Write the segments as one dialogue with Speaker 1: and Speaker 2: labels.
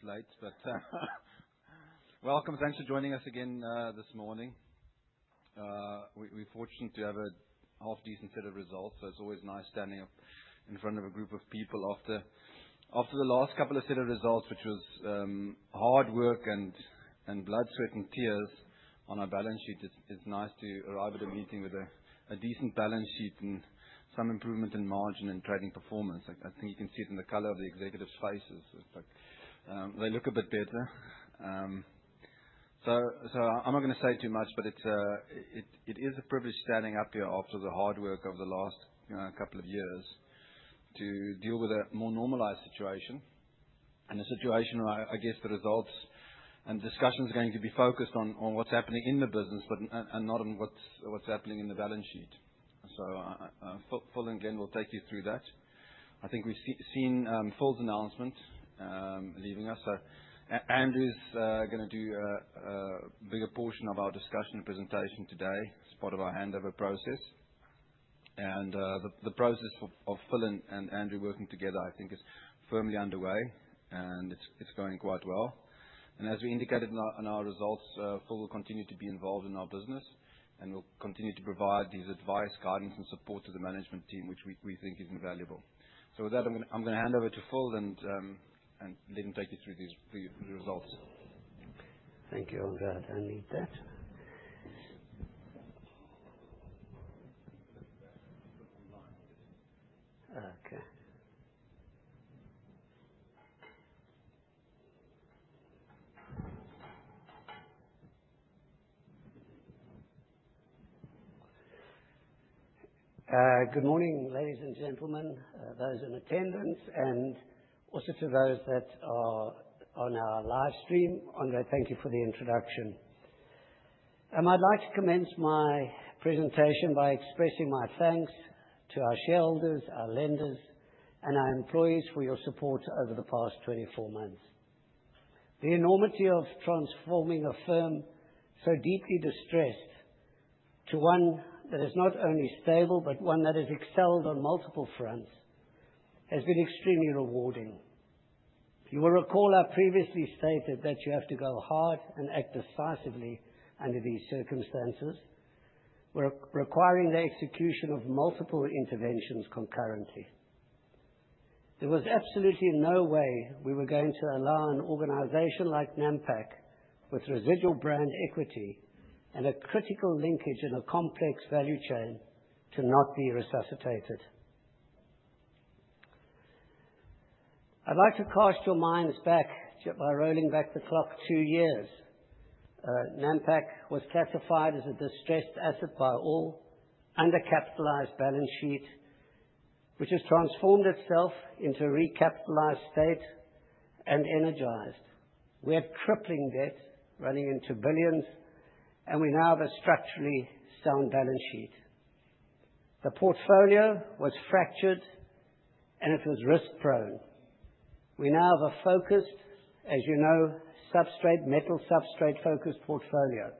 Speaker 1: Couple of minutes late, but welcome. Thanks for joining us again this morning. We're fortunate to have a half decent set of results, so it's always nice standing up in front of a group of people after the last couple of set of results, which was hard work and blood, sweat and tears on our balance sheet. It's nice to arrive at a meeting with a decent balance sheet and some improvement in margin and trading performance. I think you can see it in the color of the executives' faces. It's like, they look a bit better. I'm not gonna say too much, but it is a privilege standing up here after the hard work over the last couple of years to deal with a more normalized situation and a situation where I guess the results and discussions are going to be focused on what's happening in the business but and not on what's happening in the balance sheet. Phil and Glenn will take you through that. I think we've seen Phil's announcement leaving us. Andrew's gonna do a bigger portion of our discussion presentation today as part of our handover process. The process of Phil and Andrew working together, I think is firmly underway and it's going quite well. As we indicated in our results, Phil will continue to be involved in our business and will continue to provide his advice, guidance and support to the management team, which we think is invaluable. With that, I'm gonna hand over to Phil and let him take you through the results.
Speaker 2: Thank you, Andre. I need that. Okay. Good morning, ladies and gentlemen, those in attendance and also to those that are on our live stream. Andre, thank you for the introduction. I'd like to commence my presentation by expressing my thanks to our shareholders, our lenders, and our employees for your support over the past 24 months. The enormity of transforming a firm so deeply distressed to one that is not only stable, but one that has excelled on multiple fronts, has been extremely rewarding. You will recall I previously stated that you have to go hard and act decisively under these circumstances requiring the execution of multiple interventions concurrently. There was absolutely no way we were going to allow an organization like Nampak with residual brand equity and a critical linkage in a complex value chain to not be resuscitated. I'd like to cast your minds back by rolling back the clock two years. Nampak was classified as a distressed asset with an under-capitalized balance sheet, which has transformed itself into a recapitalized and energized state. We had crippling debt running into billions, and we now have a structurally sound balance sheet. The portfolio was fractured, and it was risk-prone. We now have a focused, as you know, substrate, metal substrate-focused portfolio.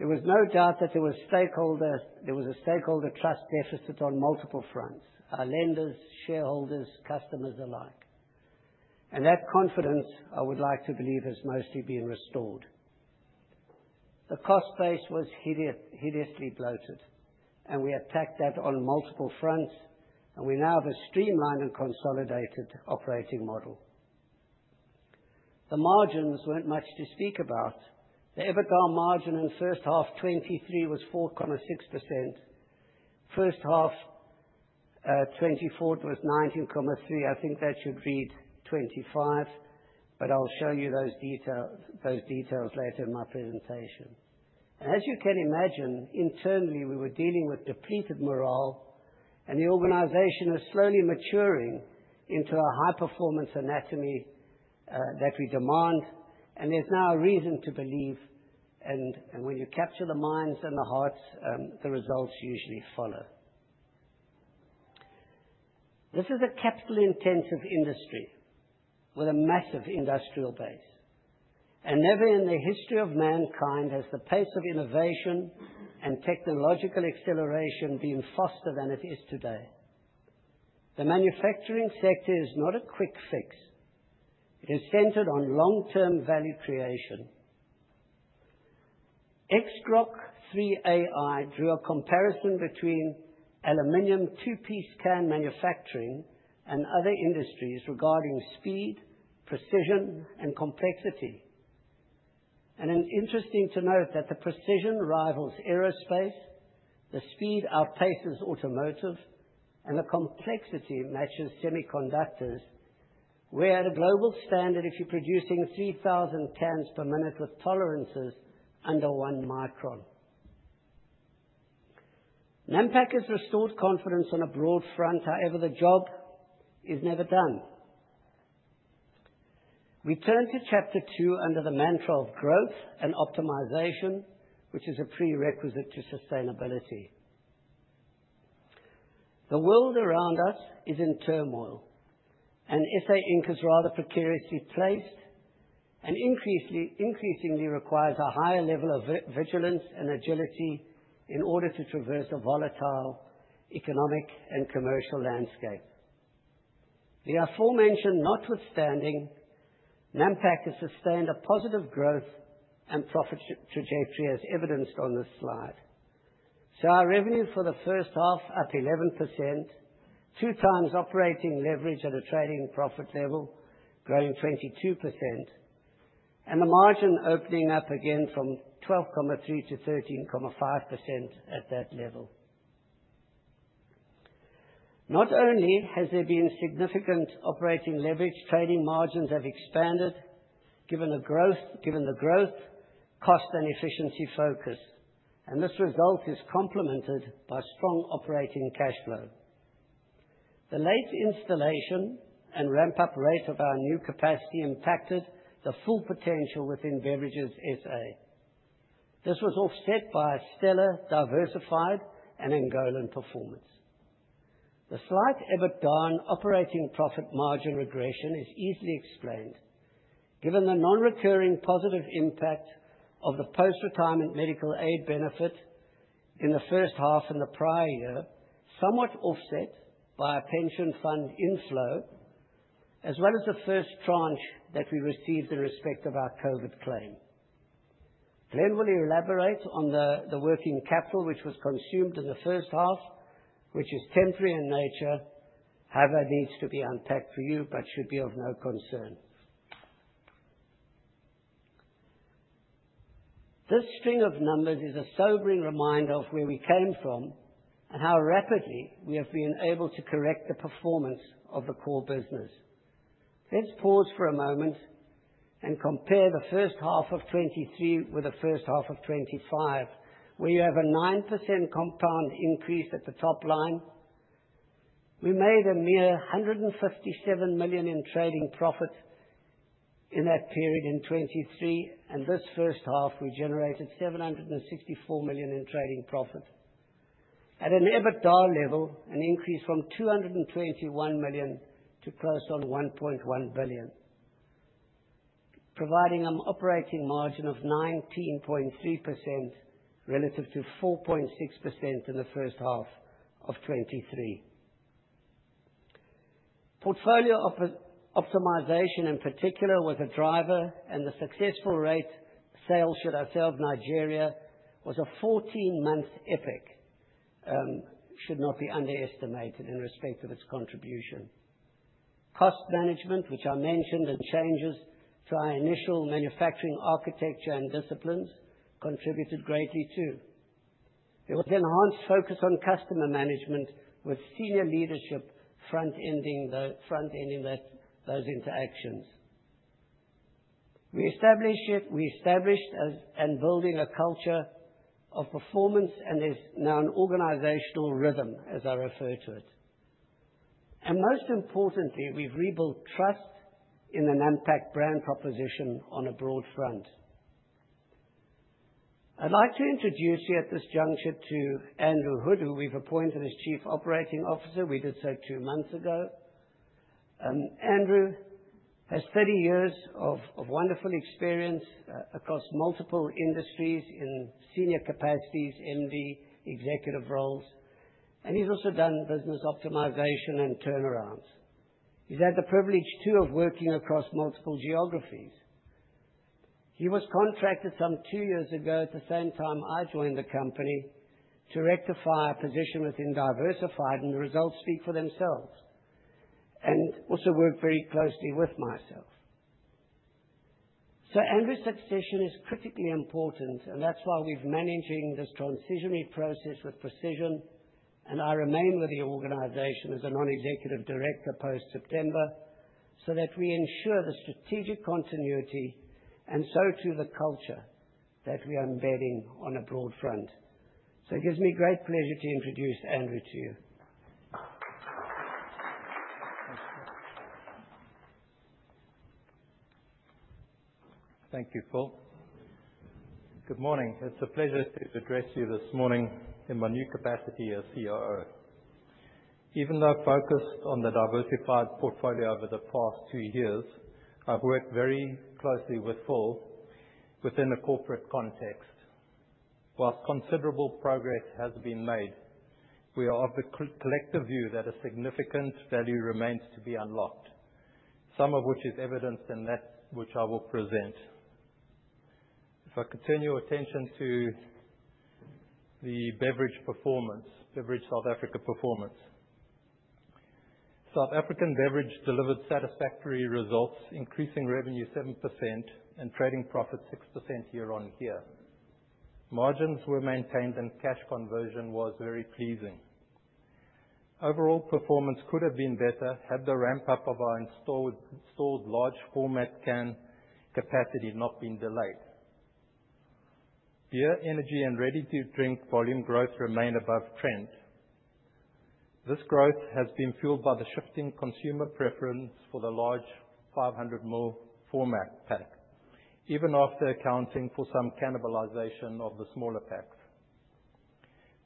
Speaker 2: There was no doubt that there was a stakeholder trust deficit on multiple fronts. Our lenders, shareholders, customers alike. That confidence I would like to believe has mostly been restored. The cost base was hideously bloated, and we attacked that on multiple fronts, and we now have a streamlined and consolidated operating model. The margins weren't much to speak about. The EBITDA margin in first half 2023 was 4.6%. First half 2024, it was 19.3. I think that should read 25, but I'll show you those details later in my presentation. As you can imagine, internally we were dealing with depleted morale and the organization is slowly maturing into a high-performance anatomy that we demand and there's now a reason to believe and when you capture the minds and the hearts, the results usually follow. This is a capital-intensive industry with a massive industrial base, and never in the history of mankind has the pace of innovation and technological acceleration been faster than it is today. The manufacturing sector is not a quick fix. It is centered on long-term value creation. XRock 3AI drew a comparison between aluminum two-piece can manufacturing and other industries regarding speed, precision and complexity. It's interesting to note that the precision rivals aerospace, the speed outpaces automotive, and the complexity matches semiconductors. We are at a global standard if you're producing 3,000 cans per minute with tolerances under one micron. Nampak has restored confidence on a broad front, however, the job is never done. We turn to chapter two under the mantra of growth and optimization, which is a prerequisite to sustainability. The world around us is in turmoil and SA Inc. is rather precariously placed. Increasingly requires a higher level of vigilance and agility in order to traverse a volatile economic and commercial landscape. The aforementioned notwithstanding, Nampak has sustained a positive growth and profit trajectory as evidenced on this slide. Our revenue for the first half up 11%, 2x operating leverage at a trading profit level growing 22%, and the margin opening up again from 12.3% to 13.5% at that level. Not only has there been significant operating leverage, trading margins have expanded given the growth, cost and efficiency focus. This result is complemented by strong operating cash flow. The late installation and ramp-up rate of our new capacity impacted the full potential within Beverages SA. This was offset by a stellar diversified and Angolan performance. The slight EBITDA and operating profit margin regression is easily explained. Given the non-recurring positive impact of the post-retirement medical aid benefit in the first half in the prior year, somewhat offset by a pension fund inflow, as well as the first tranche that we received in respect of our COVID claim. Glenn will elaborate on the working capital which was consumed in the first half, which is temporary in nature, however, needs to be unpacked for you, but should be of no concern. This string of numbers is a sobering reminder of where we came from and how rapidly we have been able to correct the performance of the core business. Let's pause for a moment and compare the first half of 2023 with the first half of 2025, where you have a 9% compound increase at the top line. We made a mere 157 million in trading profit in that period in 2023, and this first half we generated 764 million in trading profit. At an EBITDA level, an increase from 221 million to close on 1.1 billion. Providing an operating margin of 19.3% relative to 4.6% in the first half of 2023. Portfolio optimization in particular was a driver, and the successful sale, should I say, of Nigeria was a 14-month epic should not be underestimated in respect of its contribution. Cost management, which I mentioned, and changes to our initial manufacturing architecture and disciplines contributed greatly too. There was enhanced focus on customer management with senior leadership front-ending those interactions. We established it as and building a culture of performance, and there's now an organizational rhythm as I refer to it. Most importantly, we've rebuilt trust in the Nampak brand proposition on a broad front. I'd like to introduce you at this juncture to Andrew Hood, who we've appointed as Chief Operating Officer. We did so 2 months ago. Andrew has 30 years of wonderful experience across multiple industries in senior capacities, MD, executive roles, and he's also done business optimization and turnarounds. He's had the privilege too of working across multiple geographies. He was contracted some 2 years ago, at the same time I joined the company, to rectify a position within Diversified, and the results speak for themselves. Also worked very closely with myself. Andrew's succession is critically important, and that's why we're managing this transitionary process with precision, and I remain with the organization as a non-executive director post September, so that we ensure the strategic continuity and so too the culture that we are embedding on a broad front. It gives me great pleasure to introduce Andrew to you.
Speaker 3: Thank you, Phil. Good morning. It's a pleasure to address you this morning in my new capacity as COO. Even though I've focused on the diversified portfolio over the past two years, I've worked very closely with Phil within a corporate context. While considerable progress has been made, we are of the collective view that a significant value remains to be unlocked, some of which is evidenced in that which I will present. If I could turn your attention to the beverage performance, Beverage South Africa performance. South African Beverage delivered satisfactory results, increasing revenue 7% and trading profit 6% year-on-year. Margins were maintained and cash conversion was very pleasing. Overall performance could have been better had the ramp-up of our installed large format can capacity not been delayed. Beer, energy, and ready-to-drink volume growth remain above trend. This growth has been fueled by the shifting consumer preference for the large 500 ml format pack, even after accounting for some cannibalization of the smaller packs.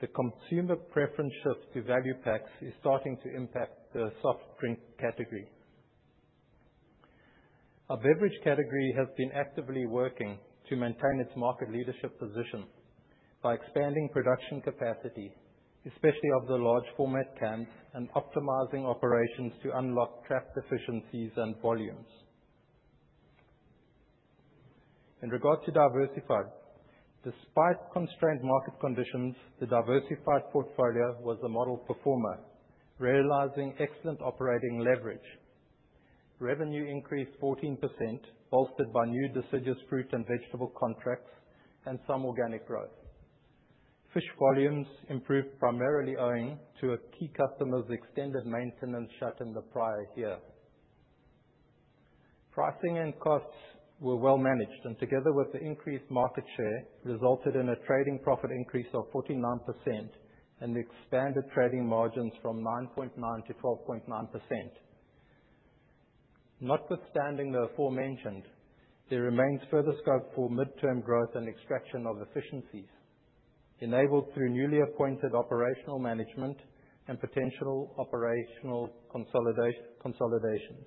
Speaker 3: The consumer preference shift to value packs is starting to impact the soft drink category. Our beverage category has been actively working to maintain its market leadership position by expanding production capacity, especially of the large format cans and optimizing operations to unlock trapped efficiencies and volumes. In regard to Diversified, despite constrained market conditions, the Diversified portfolio was the model performer, realizing excellent operating leverage. Revenue increased 14%, bolstered by new deciduous fruit and vegetable contracts and some organic growth. Fish volumes improved primarily owing to a key customer's extended maintenance shutdown in the prior year. Pricing and costs were well managed, and together with the increased market share, resulted in a trading profit increase of 49% and expanded trading margins from 9.9% to 12.9%. Notwithstanding the aforementioned, there remains further scope for midterm growth and extraction of efficiencies enabled through newly appointed operational management and potential operational consolidations.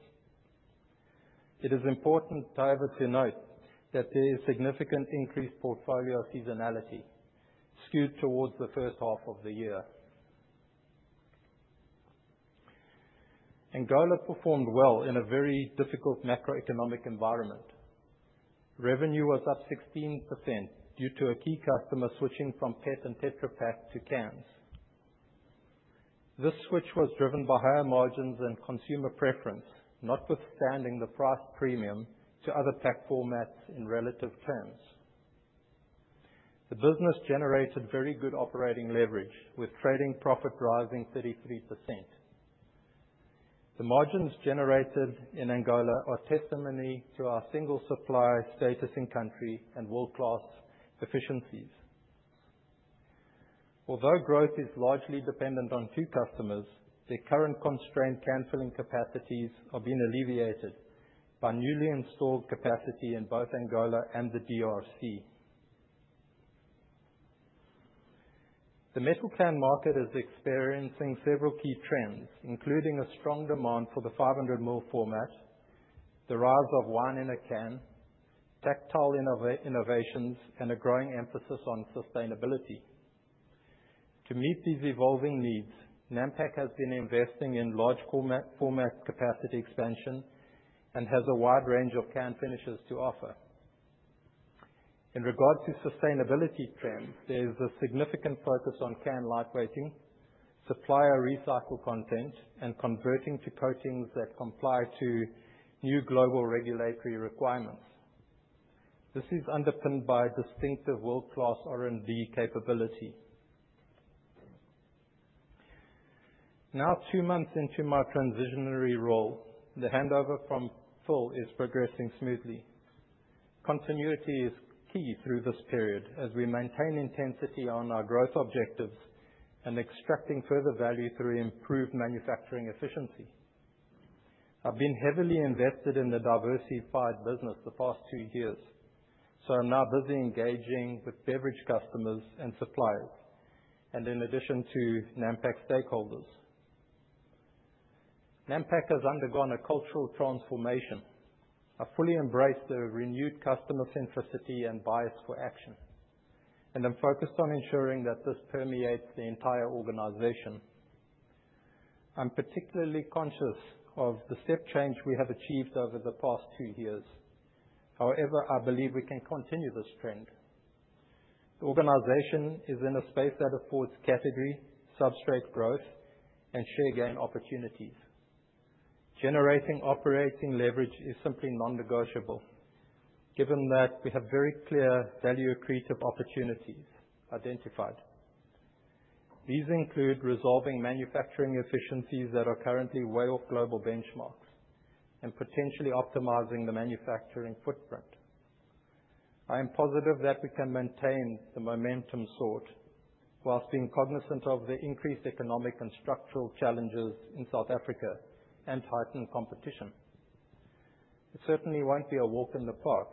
Speaker 3: It is important, however, to note that there is significant increased portfolio seasonality skewed towards the first half of the year. Angola performed well in a very difficult macroeconomic environment. Revenue was up 16% due to a key customer switching from PET and Tetra Pak to cans. This switch was driven by higher margins and consumer preference, notwithstanding the price premium to other pack formats in relative terms. The business generated very good operating leverage, with trading profit rising 33%. The margins generated in Angola are testimony to our single supplier status in country and world-class efficiencies. Although growth is largely dependent on two customers, their current constraints on canning capacities are being alleviated by newly installed capacity in both Angola and the DRC. The metal can market is experiencing several key trends, including a strong demand for the 500 ml format, the rise of wine in a can, tactile innovations, and a growing emphasis on sustainability. To meet these evolving needs, Nampak has been investing in large format capacity expansion and has a wide range of can finishers to offer. In regards to sustainability trends, there is a significant focus on can lightweighting, supplied recycled content and converting to coatings that comply with new global regulatory requirements. This is underpinned by distinctive world-class R&D capability. Now, two months into my transitionary role, the handover from Phil is progressing smoothly. Continuity is key through this period as we maintain intensity on our growth objectives and extracting further value through improved manufacturing efficiency. I've been heavily invested in the diversified business the past two years, so I'm now busy engaging with beverage customers and suppliers and in addition to Nampak stakeholders. Nampak has undergone a cultural transformation. I fully embrace the renewed customer centricity and bias for action, and I'm focused on ensuring that this permeates the entire organization. I'm particularly conscious of the step change we have achieved over the past two years. However, I believe we can continue this trend. The organization is in a space that affords category substrate growth and share gain opportunities. Generating operating leverage is simply non-negotiable given that we have very clear value accretive opportunities identified. These include resolving manufacturing efficiencies that are currently way off global benchmarks and potentially optimizing the manufacturing footprint. I am positive that we can maintain the momentum sought while being cognizant of the increased economic and structural challenges in South Africa and tightened competition. It certainly won't be a walk in the park,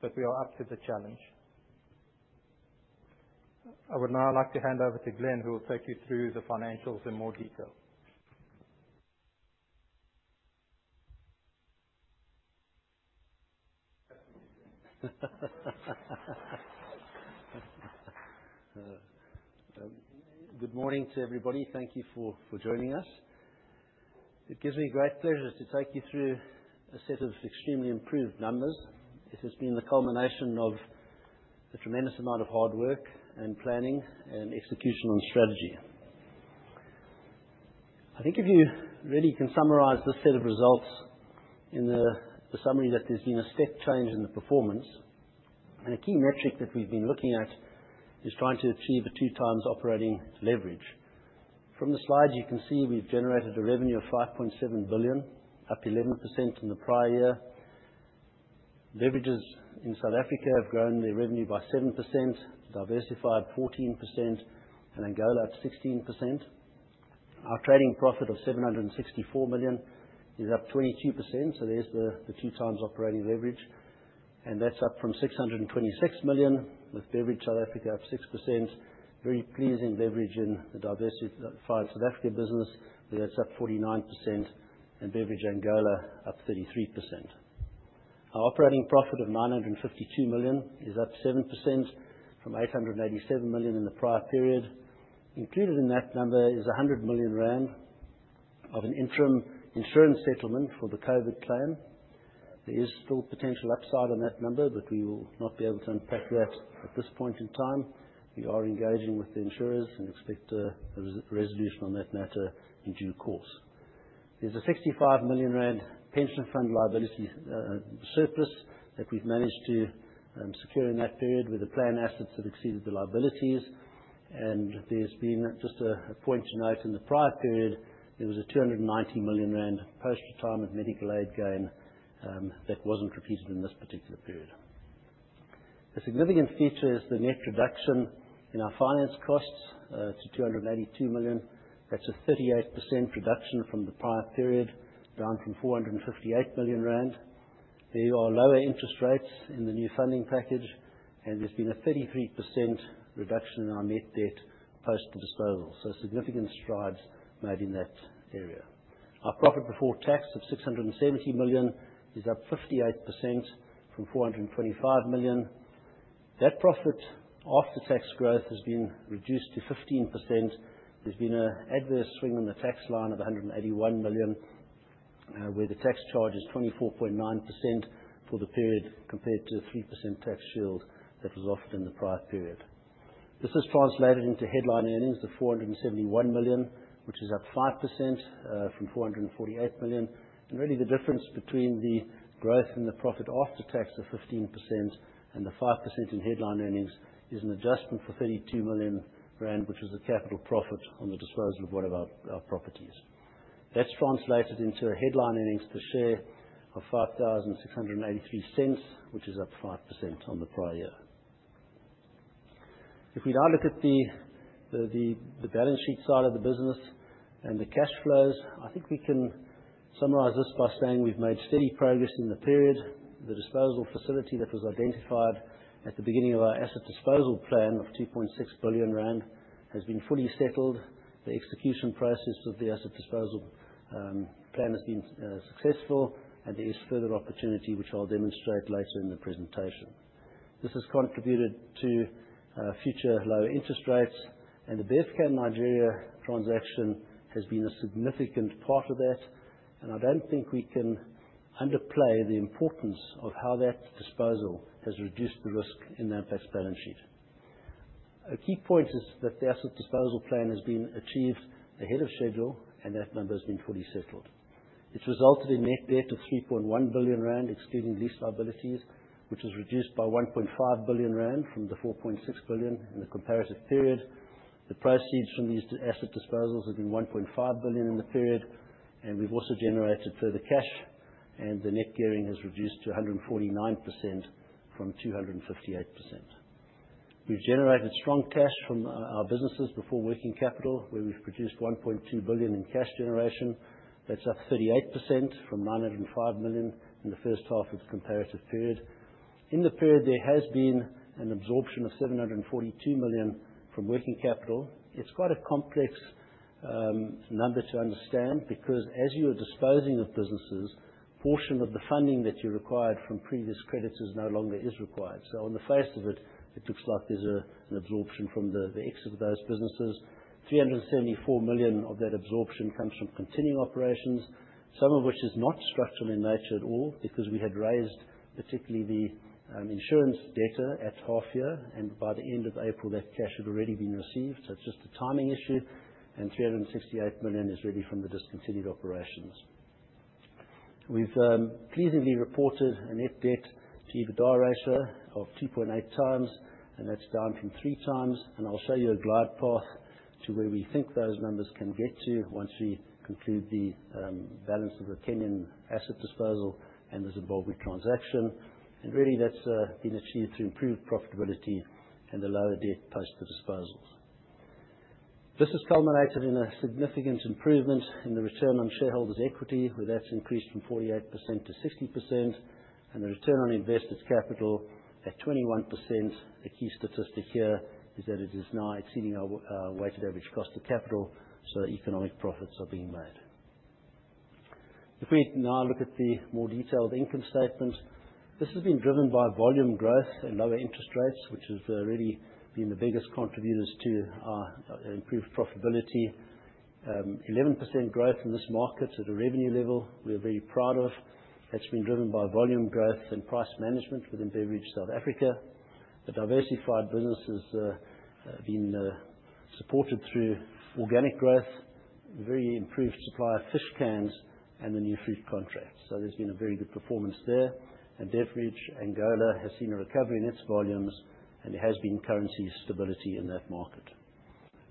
Speaker 3: but we are up to the challenge. I would now like to hand over to Glenn, who will take you through the financials in more detail.
Speaker 4: Good morning to everybody. Thank you for joining us. It gives me great pleasure to take you through a set of extremely improved numbers. This has been the culmination of a tremendous amount of hard work and planning and execution on strategy. I think if you really can summarize this set of results in the summary that there's been a step change in the performance. A key metric that we've been looking at is trying to achieve a 2x operating leverage. From the slides, you can see we've generated revenue of 5.7 billion, up 11% from the prior year. Beverages in South Africa have grown their revenue by 7%, Diversified 14% and Angola at 16%. Our trading profit of 764 million is up 22%, so there's the two times operating leverage. That's up from 626 million, with Beverage South Africa up 6%. Very pleasing beverage in the diversified South Africa business, that's up 49% and Beverage Angola up 33%. Our operating profit of 952 million is up 7% from 887 million in the prior period. Included in that number is 100 million rand of an interim insurance settlement for the COVID claim. There is still potential upside on that number, but we will not be able to unpack that at this point in time. We are engaging with the insurers and expect a resolution on that matter in due course. There's a 65 million rand pension fund liability surplus that we've managed to secure in that period with the plan assets that exceeded the liabilities. There's been just a point to note, in the prior period, there was a 290 million rand post-retirement medical aid gain that wasn't repeated in this particular period. The significant feature is the net reduction in our finance costs to 282 million. That's a 38% reduction from the prior period, down from 458 million rand. There are lower interest rates in the new funding package, and there's been a 33% reduction in our net debt post the disposal. Significant strides made in that area. Our profit before tax of 670 million is up 58% from 425 million. That profit after tax growth has been reduced to 15%. There's been an adverse swing on the tax line of 181 million, where the tax charge is 24.9% for the period compared to the 3% tax shield that was offered in the prior period. This has translated into headline earnings of 471 million, which is up 5% from 448 million. Really the difference between the growth in the profit after tax of 15% and the 5% in headline earnings is an adjustment for 32 million rand, which was a capital profit on the disposal of one of our properties. That's translated into headline earnings per share of 5,683 cents, which is up 5% on the prior year. If we now look at the balance sheet side of the business and the cash flows, I think we can summarize this by saying we've made steady progress in the period. The disposal facility that was identified at the beginning of our asset disposal plan of 2.6 billion rand has been fully settled. The execution process of the asset disposal plan has been successful, and there is further opportunity, which I'll demonstrate later in the presentation. This has contributed to future lower interest rates, and the Bevcan Nigeria transaction has been a significant part of that. I don't think we can underplay the importance of how that disposal has reduced the risk in the Nampak balance sheet. A key point is that the asset disposal plan has been achieved ahead of schedule and that number has been fully settled. It's resulted in net debt of 3.1 billion rand, excluding lease liabilities, which was reduced by 1.5 billion rand from the 4.6 billion in the comparative period. The proceeds from these asset disposals have been 1.5 billion in the period, and we've also generated further cash, and the net gearing has reduced to 149% from 258%. We've generated strong cash from our businesses before working capital, where we've produced 1.2 billion in cash generation. That's up 38% from 905 million in the first half of the comparative period. In the period, there has been an absorption of 742 million from working capital. It's quite a complex number to understand because as you are disposing of businesses, portion of the funding that you required from previous creditors no longer is required. On the face of it looks like there's an absorption from the exit of those businesses. 374 million of that absorption comes from continuing operations, some of which is not structural in nature at all because we had raised particularly the insurance debtor at half year, and by the end of April that cash had already been received. It's just a timing issue, and 368 million is really from the discontinued operations. We've pleasingly reported a net debt to EBITDA ratio of 2.8 times, and that's down from 3 times. I'll show you a glide path to where we think those numbers can get to once we conclude the balance of the Kenyan asset disposal and the Zimbabwe transaction. Really, that's been achieved through improved profitability and a lower debt post the disposals. This has culminated in a significant improvement in the Return on Shareholders' Equity, where that's increased from 48%-60%, and the Return on Invested Capital at 21%. The key statistic here is that it is now exceeding our Weighted Average Cost of Capital, so economic profits are being made. If we now look at the more detailed income statement, this has been driven by volume growth and lower interest rates, which has really been the biggest contributors to our improved profitability. 11% growth in this market at a revenue level, we're very proud of. That's been driven by volume growth and price management within Beverage South Africa. The diversified business has been supported through organic growth, very improved supply of fish cans and the new fruit contracts. There's been a very good performance there. Beverage Angola has seen a recovery in its volumes, and there has been currency stability in that market.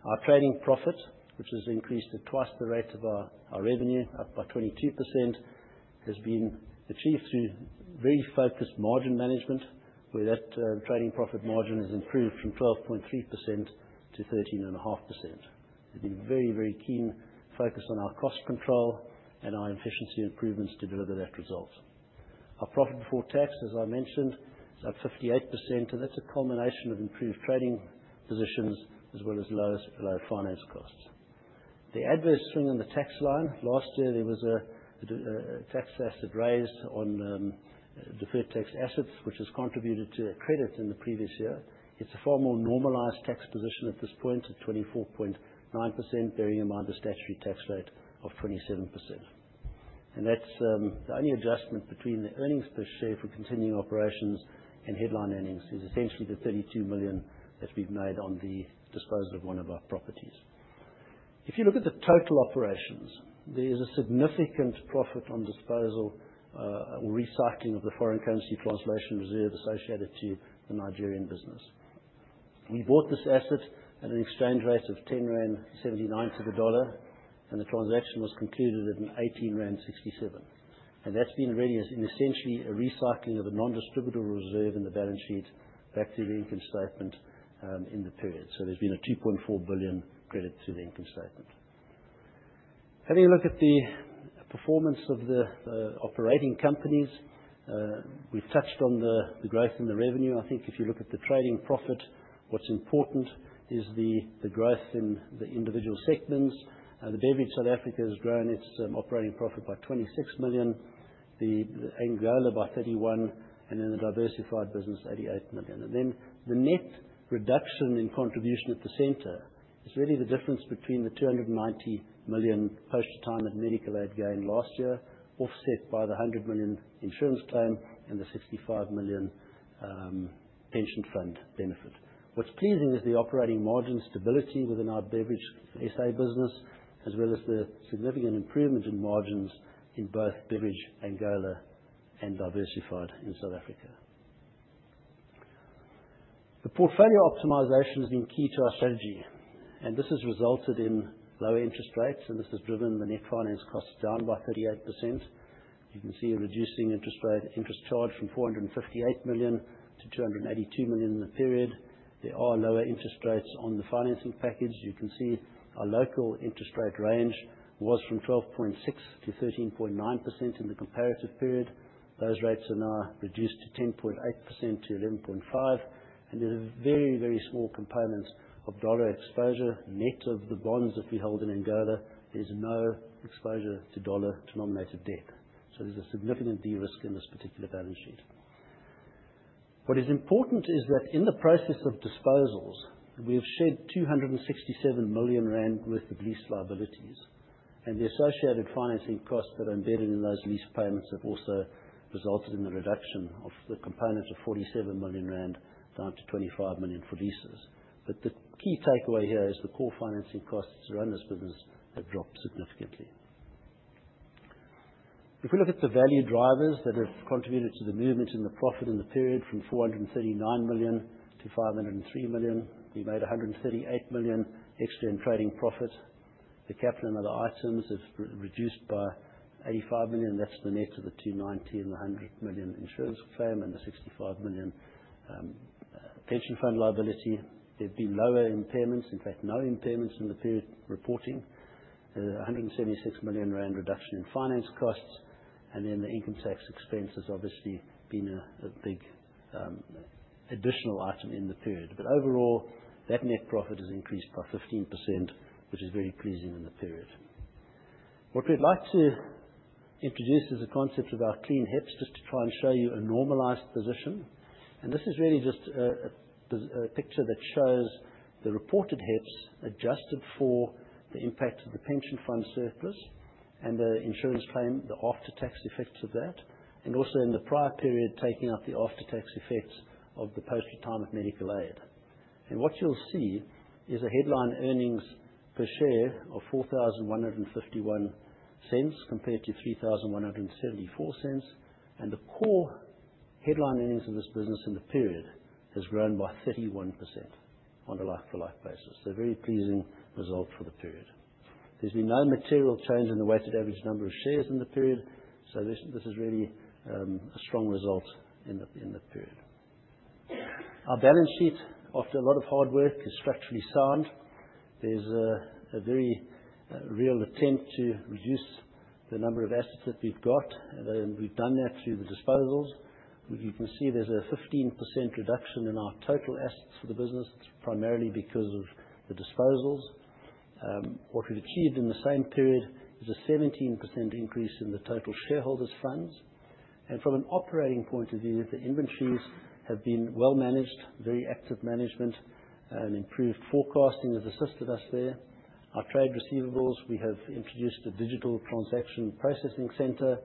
Speaker 4: Our trading profit, which has increased at twice the rate of our revenue, up by 22%, has been achieved through very focused margin management, where that trading profit margin has improved from 12.3%-13.5%. We've been very keen focused on our cost control and our efficiency improvements to deliver that result. Our profit before tax, as I mentioned, is up 58% and that's a combination of improved trading positions as well as low finance costs. The adverse swing in the tax line last year there was a tax asset raised on deferred tax assets, which has contributed to a credit in the previous year. It's a far more normalized tax position at this point to 24.9%, bearing in mind the statutory tax rate of 27%. That's the only adjustment between the earnings per share for continuing operations and headline earnings is essentially the 32 million that we've made on the disposal of one of our properties. If you look at the total operations, there is a significant profit on disposal or recycling of the Foreign Currency Translation Reserve associated to the Nigerian business. We bought this asset at an exchange rate of 10.79 rand to the dollar, and the transaction was concluded at 18.67 rand to the dollar. That's been really as essentially a recycling of a non-distributable reserve in the balance sheet back to the income statement in the period. There's been a 2.4 billion credit to the income statement. Having a look at the performance of the operating companies. We've touched on the growth in the revenue. I think if you look at the trading profit, what's important is the growth in the individual segments. The Beverage South Africa has grown its operating profit by 26 million, the Angola by 31, and then the Diversified business, 88 million. The net reduction in contribution at the center is really the difference between the 290 million post-retirement medical aid gain last year, offset by the 100 million insurance claim and the 65 million pension fund benefit. What's pleasing is the operating margin stability within our Beverage SA business, as well as the significant improvement in margins in both Beverage Angola and Diversified in South Africa. The portfolio optimization has been key to our strategy, and this has resulted in low interest rates, and this has driven the net finance costs down by 38%. You can see a reducing interest rate, interest charge from 458 million to 282 million in the period. There are lower interest rates on the financing package. You can see our local interest rate range was from 12.6%-13.9% in the comparative period. Those rates are now reduced to 10.8%-11.5%, and there's very, very small components of dollar exposure. Net of the bonds that we hold in Angola, there's no exposure to dollar-denominated debt. There's a significant de-risk in this particular balance sheet. What is important is that in the process of disposals, we have shed 267 million rand worth of lease liabilities, and the associated financing costs that are embedded in those lease payments have also resulted in the reduction of the component of 47 million rand down to 25 million for leases. The key takeaway here is the core financing costs to run this business have dropped significantly. If we look at the value drivers that have contributed to the movement in the profit in the period, from 439 million to 503 million, we made 138 million extra in trading profit. The capital and other items have re-reduced by 85 million. That's the net of the 290 and the 100 million insurance claim and the 65 million pension fund liability. There've been lower impairments, in fact, no impairments in the period reporting. There's a 176 million rand reduction in finance costs, and then the income tax expense has obviously been a big additional item in the period. Overall, that net profit has increased by 15%, which is very pleasing in the period. What we'd like to introduce is a concept of our clean HEPS, just to try and show you a normalized position. This is really just a picture that shows the reported HEPS adjusted for the impact of the pension fund surplus and the insurance claim, the after-tax effects of that, and also in the prior period, taking out the after-tax effects of the post-retirement medical aid. What you'll see is a headline earnings per share of 41.51 compared to 31.74. The core headline earnings in this business in the period has grown by 31% on a like-for-like basis. A very pleasing result for the period. There's been no material change in the weighted average number of shares in the period. This is really a strong result in the period. Our balance sheet, after a lot of hard work, is structurally sound. There's a very real attempt to reduce the number of assets that we've got, and we've done that through the disposals. You can see there's a 15% reduction in our total assets for the business, primarily because of the disposals. What we've achieved in the same period is a 17% increase in the total shareholders' funds. From an operating point of view, the inventories have been well managed, very active management, and improved forecasting has assisted us there. Our trade receivables, we have introduced a digital transaction processing center.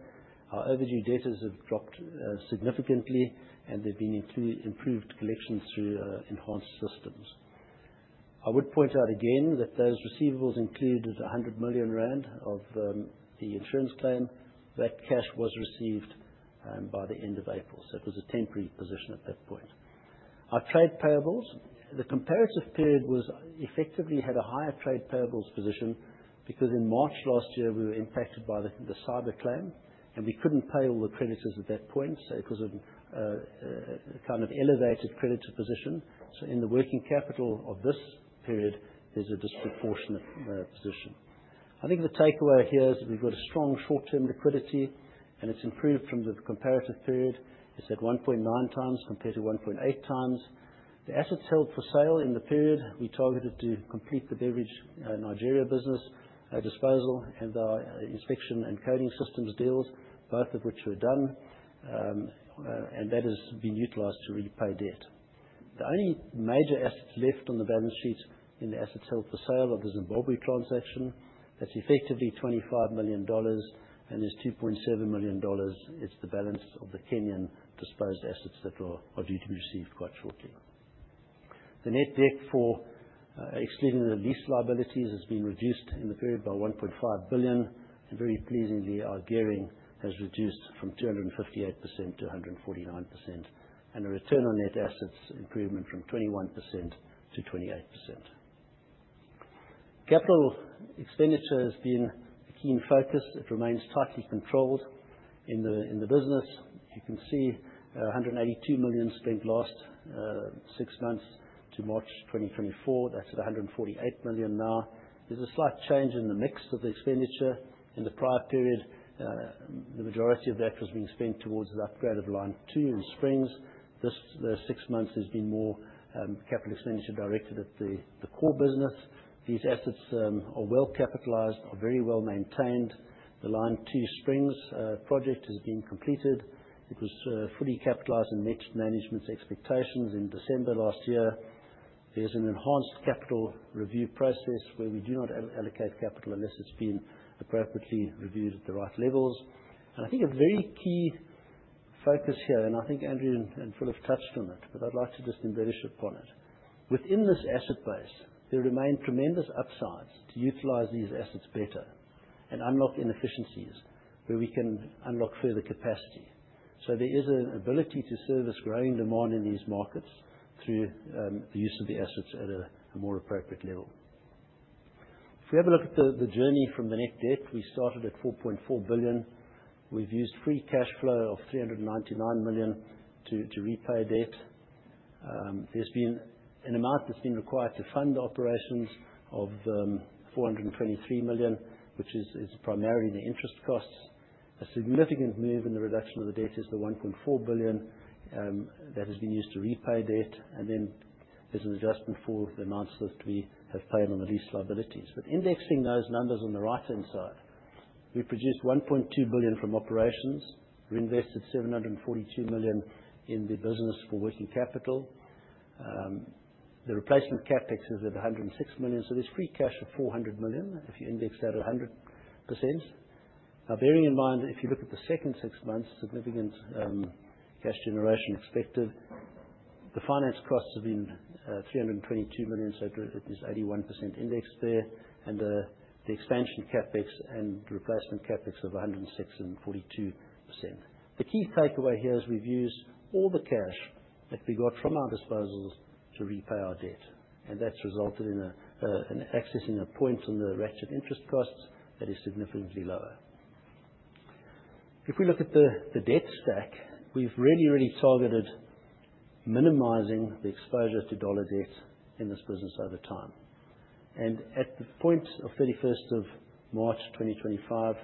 Speaker 4: Our overdue debtors have dropped significantly, and there have been improved collections through enhanced systems. I would point out again that those receivables included 100 million rand of the insurance claim. That cash was received by the end of April, so it was a temporary position at that point. Our trade payables. The comparative period was effectively had a higher trade payables position because in March last year, we were impacted by the cyber claim, and we couldn't pay all the creditors at that point. It was a kind of elevated creditor position. In the working capital of this period, there's a disproportionate position. I think the takeaway here is we've got a strong short-term liquidity, and it's improved from the comparative period. It's at 1.9x compared to 1.8x. The assets held for sale in the period we targeted to complete the Bevcan Nigeria business disposal, and our inspection and coding systems deals, both of which were done. That has been utilized to repay debt. The only major assets left on the balance sheet in the assets held for sale of the Zimbabwe transaction, that's effectively $25 million and there's $2.7 million, it's the balance of the Kenyan disposed assets that we are due to receive quite shortly. The net debt, excluding the lease liabilities has been reduced in the period by 1.5 billion. Very pleasingly, our gearing has reduced from 258%-149%. A return on net assets improvement from 21%-28%. Capital expenditure has been a key focus. It remains tightly controlled in the business. You can see 182 million spent last six months to March 2024. That's 148 million now. There's a slight change in the mix of the expenditure in the prior period. The majority of that was being spent towards the upgrade of line two in Springs. This six months has been more capital expenditure directed at the core business. These assets are well capitalized, are very well-maintained. The line two Springs project has been completed. It was fully capitalized and met management's expectations in December last year. There's an enhanced capital review process where we do not allocate capital unless it's been appropriately reviewed at the right levels. I think a very key focus here, and I think Andrew and Phil touched on it, but I'd like to just embellish upon it. Within this asset base, there remain tremendous upsides to utilize these assets better and unlock inefficiencies where we can unlock further capacity. There is an ability to service growing demand in these markets through the use of the assets at a more appropriate level. If we have a look at the journey from the net debt, we started at 4.4 billion. We've used free cash flow of 399 million to repay debt. There's been an amount that's been required to fund operations of 423 million, which is primarily the interest costs. A significant move in the reduction of the debt is the 1.4 billion that has been used to repay debt. There's an adjustment for the amounts that we have paid on the lease liabilities. Indexing those numbers on the right-hand side, we produced 1.2 billion from operations. We invested 742 million in the business for working capital. The replacement CapEx is at 106 million. There's free cash of 400 million if you index that 100%. Bearing in mind that if you look at the second six months, significant cash generation expected, the finance costs have been 322 million, so it is 81% index there. The expansion CapEx and replacement CapEx of 106 and 42%. The key takeaway here is we've used all the cash that we got from our disposals to repay our debt, and that's resulted in accessing a point on the ratchet interest costs that is significantly lower. If we look at the debt stack, we've really targeted minimizing the exposure to dollar debt in this business over time. At the point of 31 March 2025,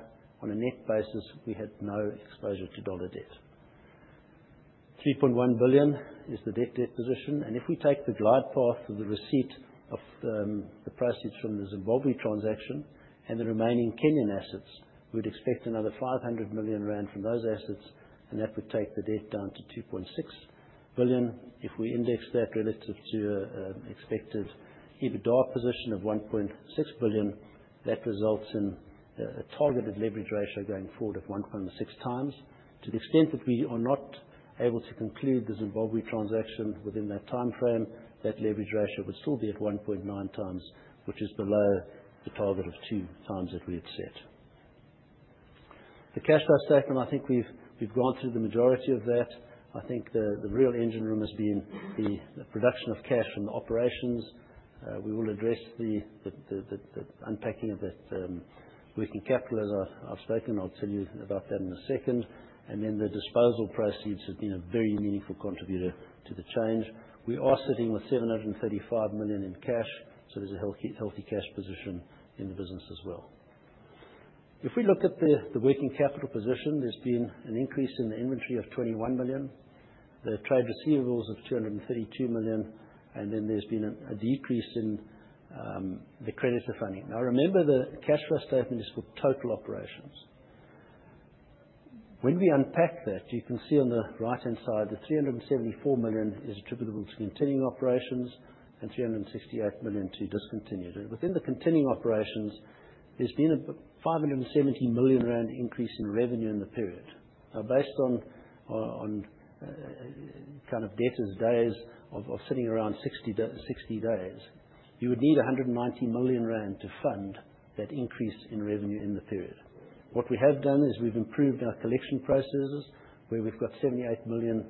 Speaker 4: on a net basis, we had no exposure to dollar debt. 3.1 billion is the net debt position. If we take the glide path of the receipt of the proceeds from the Zimbabwe transaction and the remaining Kenyan assets, we'd expect another 500 million rand from those assets, and that would take the debt down to 2.6 billion. If we index that relative to an expected EBITDA position of 1.6 billion, that results in a targeted leverage ratio going forward of 1.6x. To the extent that we are not able to conclude the Zimbabwe transaction within that timeframe, that leverage ratio would still be at 1.9x, which is below the target of 2x that we had set. The cash flow statement, I think we've gone through the majority of that. I think the real engine room has been the production of cash from the operations. We will address the unpacking of that, working capital as I've spoken. I'll tell you about that in a second. Then the disposal proceeds has been a very meaningful contributor to the change. We are sitting with 735 million in cash, so there's a healthy cash position in the business as well. If we look at the working capital position, there's been an increase in the inventory of 21 million. The trade receivables of 232 million, and then there's been a decrease in the creditor funding. Now, remember, the cash flow statement is for total operations. When we unpack that, you can see on the right-hand side that 374 million is attributable to continuing operations and 368 million to discontinued. Within the continuing operations, there's been a 570 million rand increase in revenue in the period. Now, based on kind of debtors days of sitting around 60 days, you would need 190 million rand to fund that increase in revenue in the period. What we have done is we've improved our collection processes, where we've got 78 million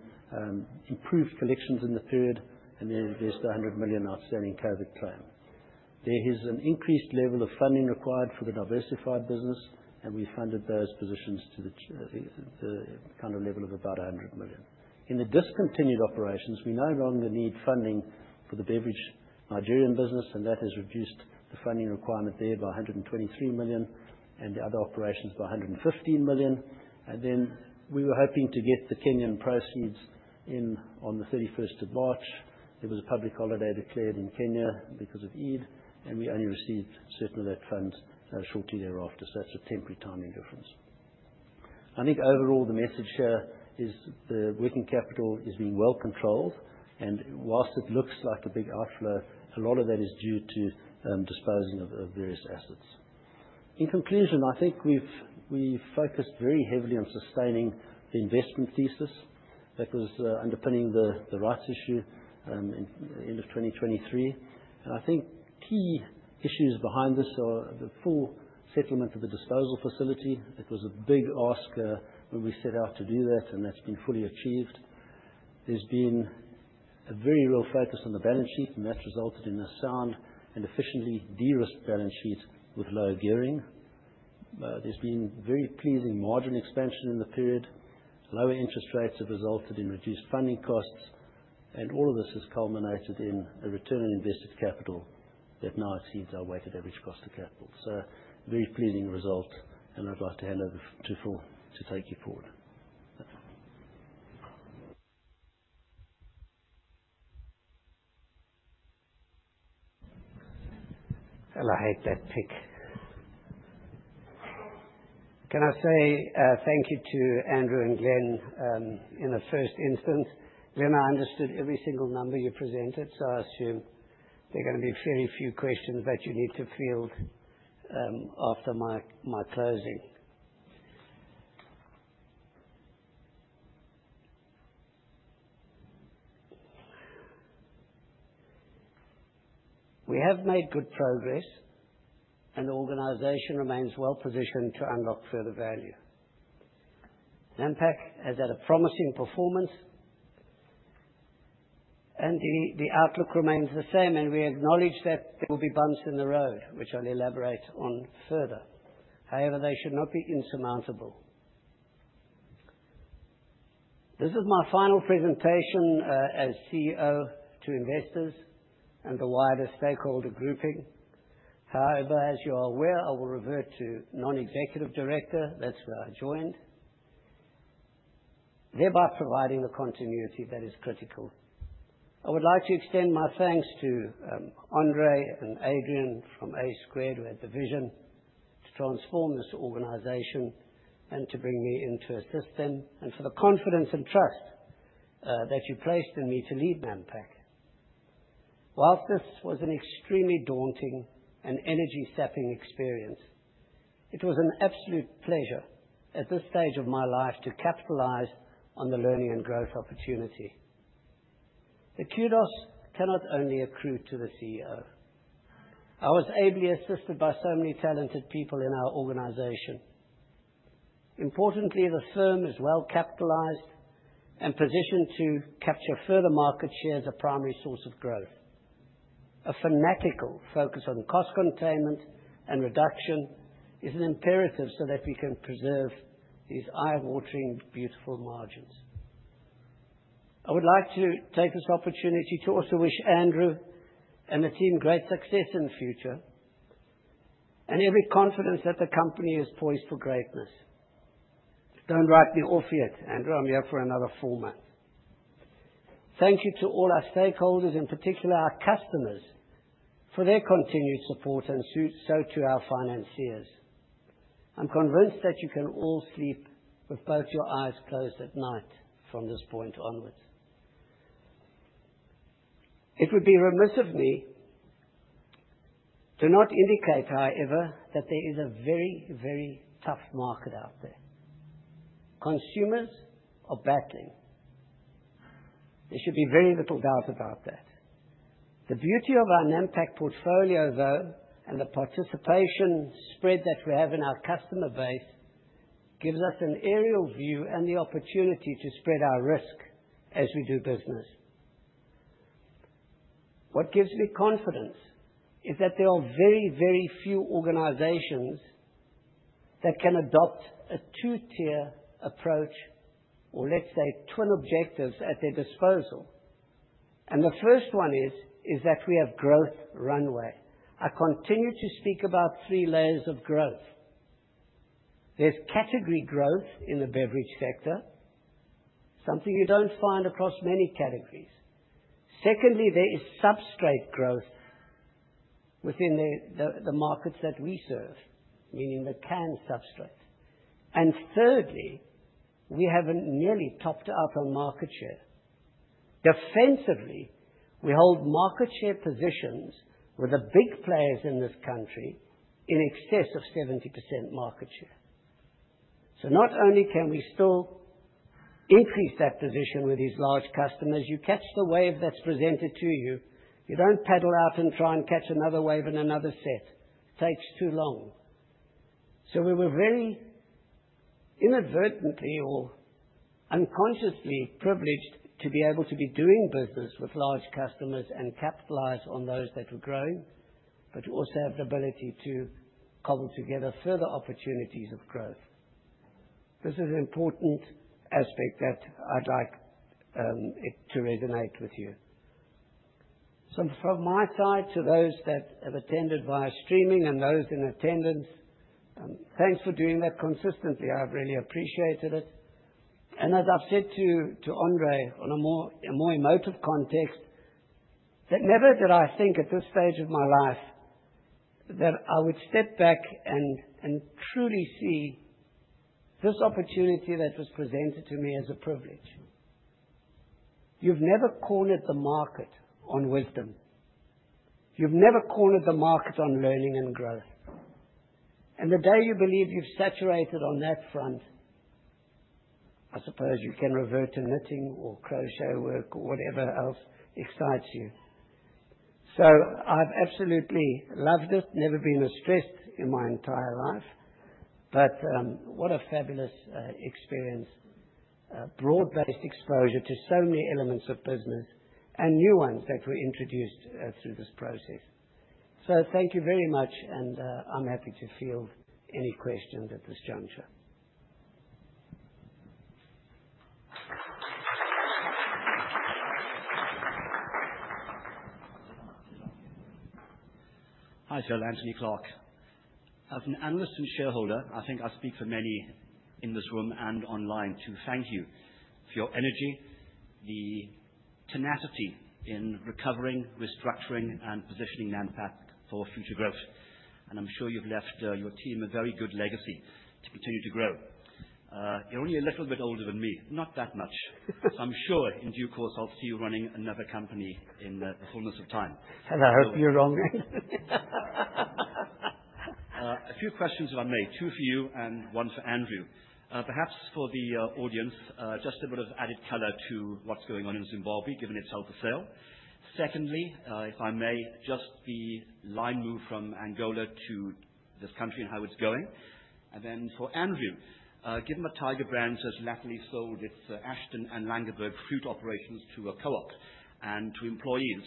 Speaker 4: improved collections in the period, and then there's the 100 million outstanding COVID claim. There is an increased level of funding required for the diversified business, and we funded those positions to the kind of level of about 100 million. In the discontinued operations, we no longer need funding for the Bevcan Nigeria business, and that has reduced the funding requirement there by 123 million and the other operations by 115 million. Then we were hoping to get the Kenyan proceeds in on the 31st of March. There was a public holiday declared in Kenya because of Eid, and we only received certain of that fund shortly thereafter. That's a temporary timing difference. I think overall the message here is the working capital is being well controlled. While it looks like a big outflow, a lot of that is due to disposing of various assets. In conclusion, I think we've focused very heavily on sustaining the investment thesis that was underpinning the rights issue in end of 2023. I think key issues behind this are the full settlement of the disposal facility. It was a big ask when we set out to do that, and that's been fully achieved. There's been a very real focus on the balance sheet, and that's resulted in a sound and efficiently de-risked balance sheet with low gearing. There's been very pleasing margin expansion in the period. Lower interest rates have resulted in reduced funding costs. All of this has culminated in a Return on Invested Capital that now exceeds our Weighted Average Cost of Capital. Very pleasing result. I'd like to hand over to Phil to take you forward.
Speaker 2: Well, I hate that pic. Can I say, thank you to Andrew and Glenn, in the first instance. Glenn, I understood every single number you presented, so I assume there are gonna be very few questions that you need to field, after my closing. We have made good progress, and the organization remains well-positioned to unlock further value. Nampak has had a promising performance. The outlook remains the same, and we acknowledge that there will be bumps in the road, which I'll elaborate on further. However, they should not be insurmountable. This is my final presentation, as CEO to investors and the wider stakeholder grouping. However, as you are aware, I will revert to non-executive director. That's where I joined. Thereby providing the continuity that is critical. I would like to extend my thanks to Andre and Adrian from A Squared who had the vision to transform this organization and to bring me in to assist them and for the confidence and trust that you placed in me to lead Nampak. While this was an extremely daunting and energy-sapping experience, it was an absolute pleasure at this stage of my life to capitalize on the learning and growth opportunity. The kudos cannot only accrue to the CEO. I was ably assisted by so many talented people in our organization. Importantly, the firm is well capitalized and positioned to capture further market share as a primary source of growth. A fanatical focus on cost containment and reduction is an imperative so that we can preserve these eye-watering beautiful margins. I would like to take this opportunity to also wish Andrew and the team great success in the future and every confidence that the company is poised for greatness. Don't write me off yet, Andrew. I'm here for another full month. Thank you to all our stakeholders, in particular our customers, for their continued support and so to our financiers. I'm convinced that you can all sleep with both your eyes closed at night from this point onwards. It would be remiss of me to not indicate, however, that there is a very, very tough market out there. Consumers are battling. There should be very little doubt about that. The beauty of our Nampak portfolio, though, and the participation spread that we have in our customer base, gives us an aerial view and the opportunity to spread our risk as we do business. What gives me confidence is that there are very, very few organizations that can adopt a two-tier approach or, let's say, twin objectives at their disposal. The first one is that we have growth runway. I continue to speak about three layers of growth. There's category growth in the beverage sector, something you don't find across many categories. Secondly, there is substrate growth within the markets that we serve, meaning the can substrate. Thirdly, we haven't nearly topped out on market share. Defensively, we hold market share positions with the big players in this country in excess of 70% market share. Not only can we still increase that position with these large customers. You catch the wave that's presented to you. You don't paddle out and try and catch another wave in another set. Takes too long. We were very inadvertently or unconsciously privileged to be able to be doing business with large customers and capitalize on those that were growing, but you also have the ability to cobble together further opportunities of growth. This is an important aspect that I'd like it to resonate with you. From my side to those that have attended via streaming and those in attendance, thanks for doing that consistently. I've really appreciated it. As I've said to Andre on a more emotive context, that never did I think at this stage of my life that I would step back and truly see this opportunity that was presented to me as a privilege. You've never cornered the market on wisdom. You've never cornered the market on learning and growth. The day you believe you've saturated on that front, I suppose you can revert to knitting or crochet work or whatever else excites you. I've absolutely loved it. I've never been this stressed in my entire life. What a fabulous experience, a broad-based exposure to so many elements of business and new ones that were introduced through this process. Thank you very much and I'm happy to field any questions at this juncture.
Speaker 5: Hi, Phil. Anthony Clark. As an analyst and shareholder, I think I speak for many in this room and online to thank you for your energy, the tenacity in recovering, restructuring and positioning Nampak for future growth. I'm sure you've left your team a very good legacy to continue to grow. You're only a little bit older than me, not that much. I'm sure in due course I'll see you running another company in the fullness of time.
Speaker 2: I hope you're wrong.
Speaker 5: A few questions if I may. Two for you and one for Andrew. Perhaps for the audience, just a bit of added color to what's going on in Zimbabwe, given it's up for sale. Secondly, if I may, just the line move from Angola to this country and how it's going. For Andrew, given that Tiger Brands has lately sold its Langeberg and Ashton fruit operations to a co-op and to employees,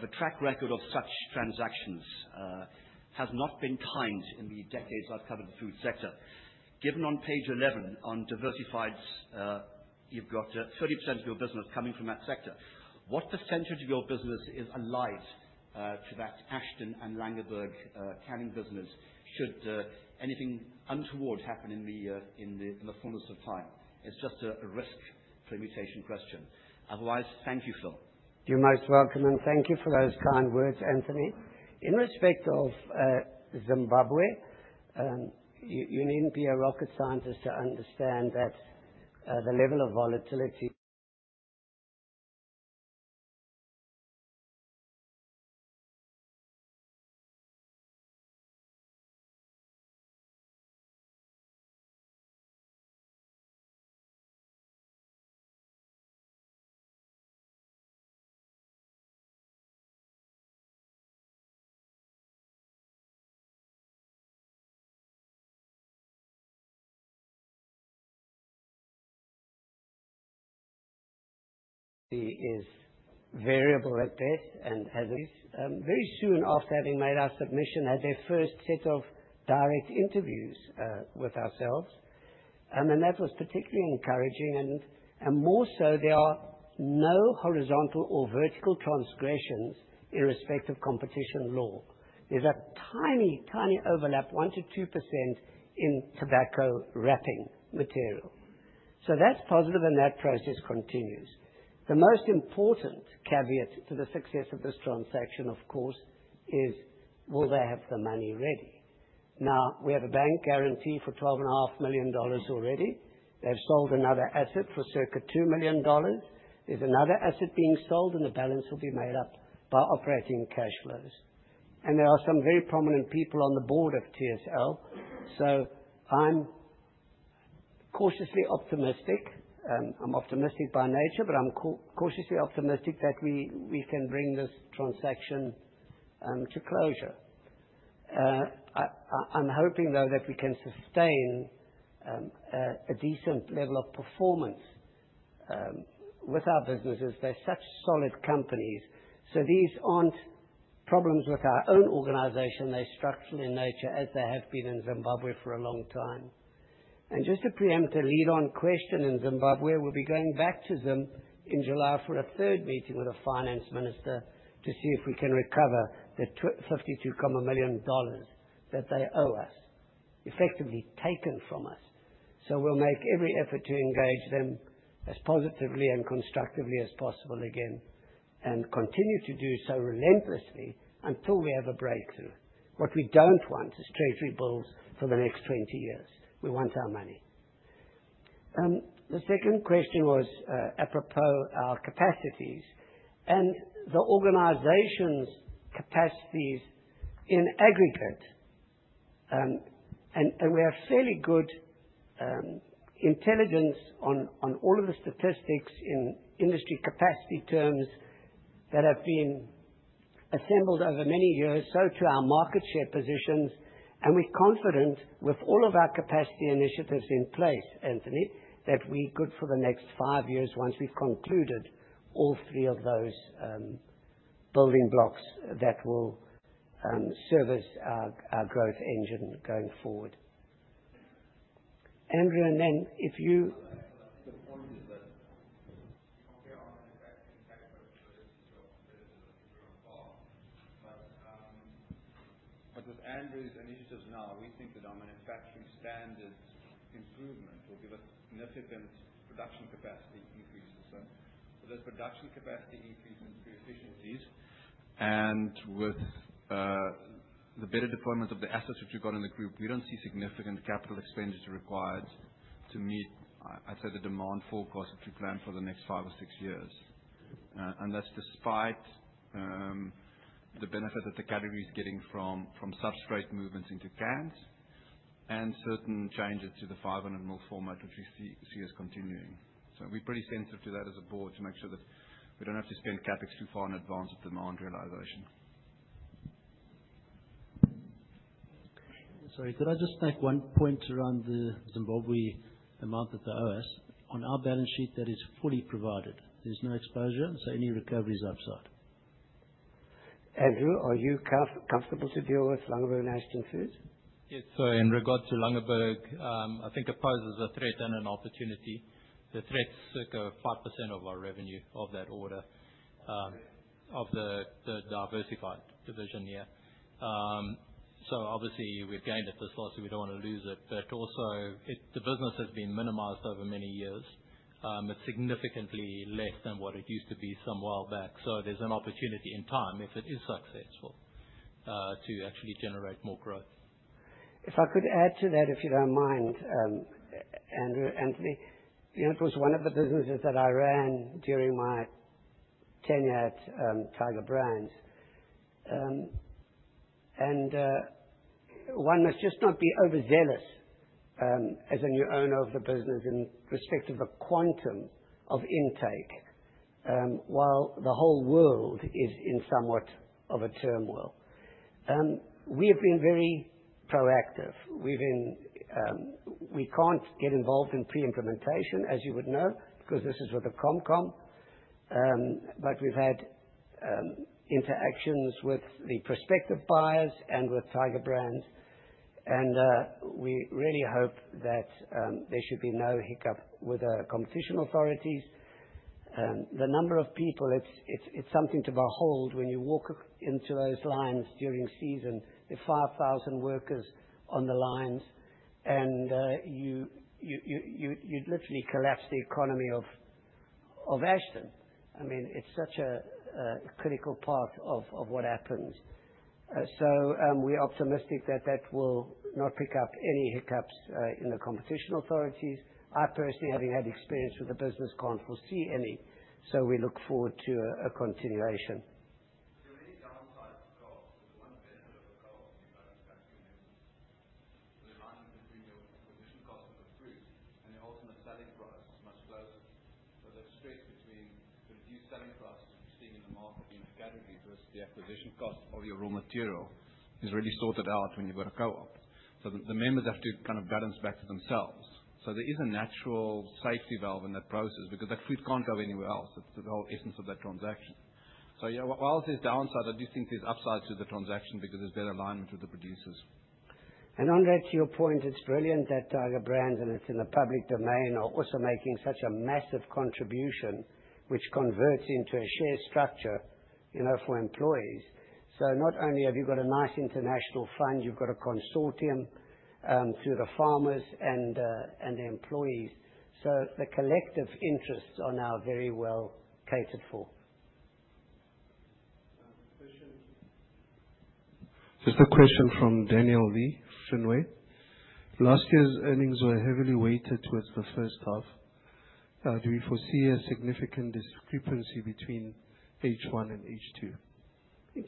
Speaker 5: the track record of such transactions has not been kind in the decades I've covered the food sector. Given on page 11 on Diversifieds, you've got 30% of your business coming from that sector. What % of your business is allied to that Langeberg and Ashton canning business should anything untoward happen in the fullness of time? It's just a risk permutation question. Otherwise, thank you, Phil.
Speaker 2: You're most welcome, and thank you for those kind words, Anthony. In respect of Zimbabwe, you needn't be a rocket scientist to understand that the level of volatility is variable at best and at least. Very soon after having made our submission at their first set of direct interviews with ourselves, and that was particularly encouraging and more so there are no horizontal or vertical transgressions in respect of competition law. There's a tiny overlap, 1%-2% in tobacco wrapping material. That's positive and that process continues. The most important caveat to the success of this transaction, of course, is will they have the money ready? Now, we have a bank guarantee for $12.5 million already. They've sold another asset for circa $2 million. There's another asset being sold, and the balance will be made up by operating cash flows. There are some very prominent people on the board of TSL. I'm cautiously optimistic. I'm optimistic by nature, but I'm cautiously optimistic that we can bring this transaction to closure. I'm hoping, though, that we can sustain a decent level of performance with our businesses. They're such solid companies. These aren't problems with our own organization. They're structural in nature as they have been in Zimbabwe for a long time. Just to preempt a follow-on question in Zimbabwe, we'll be going back to them in July for a third meeting with the finance minister to see if we can recover the $52 million that they owe us, effectively taken from us. We'll make every effort to engage them as positively and constructively as possible again and continue to do so relentlessly until we have a breakthrough. What we don't want is treasury bills for the next 20 years. We want our money. The second question was apropos our capacities and the organization's capacities in aggregate, and we have fairly good intelligence on all of the statistics in industry capacity terms that have been assembled over many years. To our market share positions, and we're confident with all of our capacity initiatives in place, Anthony, that we're good for the next 5 years once we've concluded all three of those building blocks that will service our growth engine going forward. Andrew, then if you- The point is that with Andrew's initiatives now we think the dominant factory standards improvement will give us significant production capacity increases. There's production capacity increases through efficiencies and the better deployment of the assets which we've got in the group. We don't see significant capital expenditures required to meet, I'd say, the demand forecast, which we plan for the next five or six years. That's despite the benefit that the category is getting from substrate movements into cans and certain changes to the 500 ml format, which we see as continuing. We're pretty sensitive to that as a board to make sure that we don't have to spend CapEx too far in advance of demand realization.
Speaker 1: Sorry, could I just make one point around the Zimbabwe amount that they owe us. On our balance sheet that is fully provided. There's no exposure, so any recovery is upside.
Speaker 2: Andrew, are you comfortable to deal with Langeberg and Ashton Foods?
Speaker 3: Yes. In regards to Langeberg, I think it poses a threat and an opportunity. The threat's circa 5% of our revenue of that order, of the Diversified Division, yeah. Obviously we've gained it this last year, we don't wanna lose it, but also it, the business has been minimized over many years. It's significantly less than what it used to be some while back. There's an opportunity in time if it is successful, to actually generate more growth.
Speaker 2: If I could add to that, if you don't mind, Andrew, Anthony. You know, it was one of the businesses that I ran during my tenure at Tiger Brands. One must just not be overzealous as a new owner of the business in respect of the quantum of intake while the whole world is in somewhat of a turmoil. We have been very proactive. We can't get involved in pre-implementation, as you would know, because this is with the CompCom. We've had interactions with the prospective buyers and with Tiger Brands and we really hope that there should be no hiccup with the competition authorities. The number of people, it's something to behold when you walk into those lines during season. The 5,000 workers on the lines and you literally collapse the economy of Ashton. I mean, it's such a critical part of what happens. We're optimistic that will not pick up any hiccups in the Competition authorities. I personally, having had experience with the business, can't foresee any. We look forward to a continuation.
Speaker 1: There are many downsides to co-ops. There's one benefit of a co-op, the alignment between your acquisition cost of the fruit and the ultimate selling price is much closer. The stretch between the reduced selling price that you're seeing in the market in a category versus the acquisition cost of your raw material is really sorted out when you've got a co-op. The members have to kind of balance back to themselves. There is a natural safety valve in that process because that fruit can't go anywhere else. That's the whole essence of that transaction. Yeah, while there's downsides, I do think there's upsides to the transaction because there's better alignment with the producers.
Speaker 2: Andre, to your point, it's brilliant that Tiger Brands, and it's in the public domain, are also making such a massive contribution which converts into a share structure, you know, for employees. Not only have you got a nice international fund, you've got a consortium, through the farmers and the employees. The collective interests are now very well catered for.
Speaker 1: Question. Just a question from Daniel Lee, Shinhan. Last year's earnings were heavily weighted towards the first half. Do you foresee a significant discrepancy between H one and H two?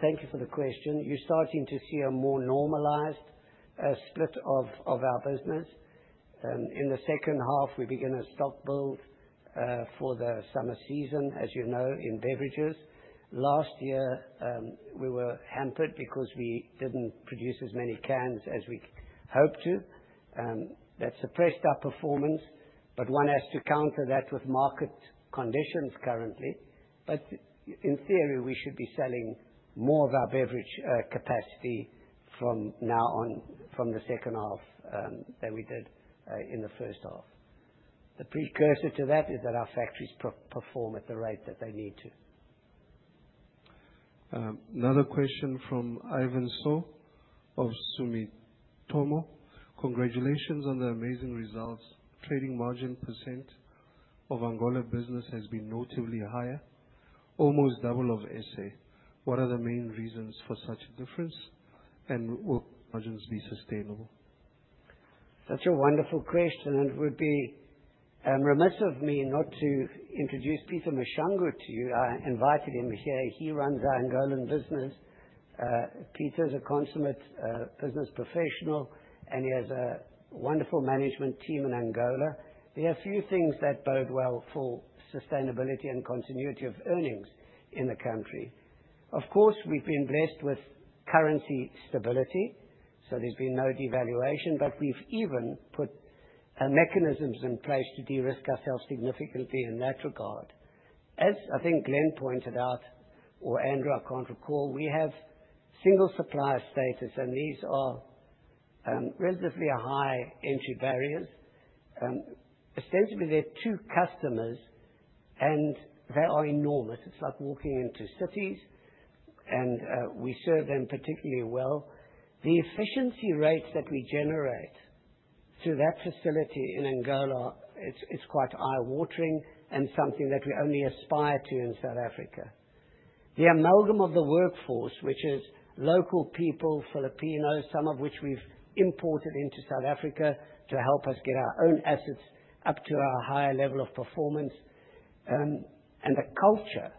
Speaker 2: Thank you for the question. You're starting to see a more normalized split of our business. In the second half we begin a stock build for the summer season, as you know, in beverages. Last year we were hampered because we didn't produce as many cans as we hoped to. That suppressed our performance, but one has to counter that with market conditions currently. In theory, we should be selling more of our beverage capacity from now on, from the second half, than we did in the first half. The precursor to that is that our factories perform at the rate that they need to.
Speaker 1: Another question from Ivan So of Sumitomo. Congratulations on the amazing results. Trading margin percent of Angola business has been notably higher, almost double of SA. What are the main reasons for such a difference, and will margins be sustainable?
Speaker 2: That's a wonderful question, and it would be remiss of me not to introduce Peter Mushangwe to you. I invited him here. He runs our Angolan business. Peter is a consummate business professional, and he has a wonderful management team in Angola. There are a few things that bode well for sustainability and continuity of earnings in the country. Of course, we've been blessed with currency stability, so there's been no devaluation, but we've even put mechanisms in place to de-risk ourselves significantly in that regard. As I think Glenn pointed out, or Andrew, I can't recall, we have single supplier status, and these are relatively high entry barriers. Ostensibly they're two customers, and they are enormous. It's like walking into cities and we serve them particularly well. The efficiency rates that we generate through that facility in Angola, it's quite eye-watering and something that we only aspire to in South Africa. The amalgam of the workforce, which is local people, Filipinos, some of which we've imported into South Africa to help us get our own assets up to a higher level of performance. The culture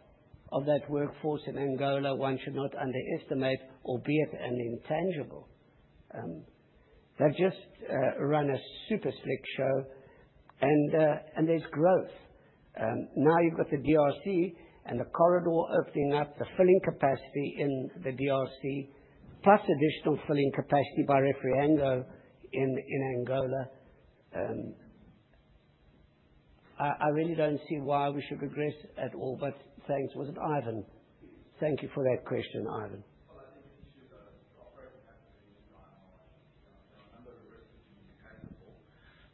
Speaker 2: of that workforce in Angola, one should not underestimate, albeit an intangible. They've just run a super slick show and there's growth. Now you've got the DRC and the corridor opening up, the filling capacity in the DRC, plus additional filling capacity by Refriango in Angola. I really don't see why we should regress at all. Thanks. Was it Ivan?
Speaker 1: It is.
Speaker 2: Thank you for that question, Ivan.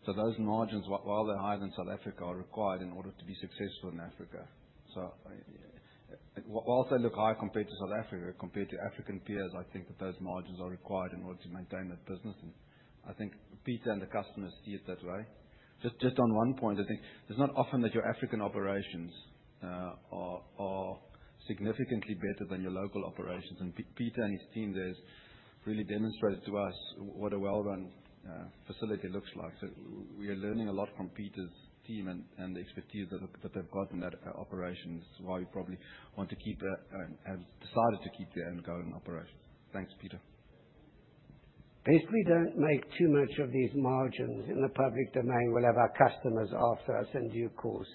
Speaker 3: Those margins, while they're higher than South Africa, are required in order to be successful in Africa. While they look high compared to South Africa, compared to African peers, I think that those margins are required in order to maintain that business. I think Peter and the customers see it that way. Just on one point, I think it's not often that your African operations are significantly better than your local operations. Peter and his team there have really demonstrated to us what a well-run facility looks like. We are learning a lot from Peter's team and the expertise that they've got in that operation. This is why we have decided to keep the Angolan operation. Thanks, Peter.
Speaker 2: If we don't make too much of these margins in the public domain, we'll have our customers after us in due course.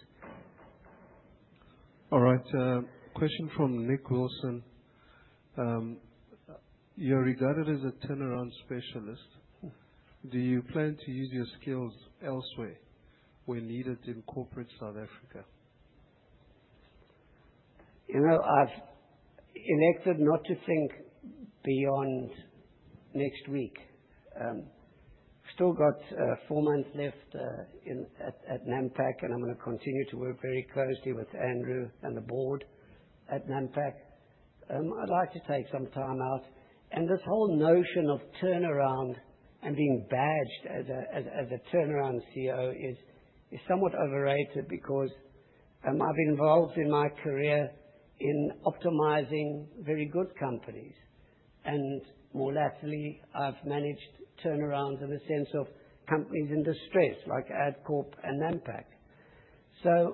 Speaker 1: All right, question from Nick Lawson. You're regarded as a turnaround specialist.
Speaker 2: Mm.
Speaker 1: Do you plan to use your skills elsewhere where needed in corporate South Africa?
Speaker 2: You know, I've elected not to think beyond next week. Still got four months left at Nampak, and I'm gonna continue to work very closely with Andrew and the board at Nampak. I'd like to take some time out. This whole notion of turnaround and being badged as a turnaround CEO is somewhat overrated because I've been involved in my career in optimizing very good companies. More lately, I've managed turnarounds in the sense of companies in distress, like Adcorp and Nampak.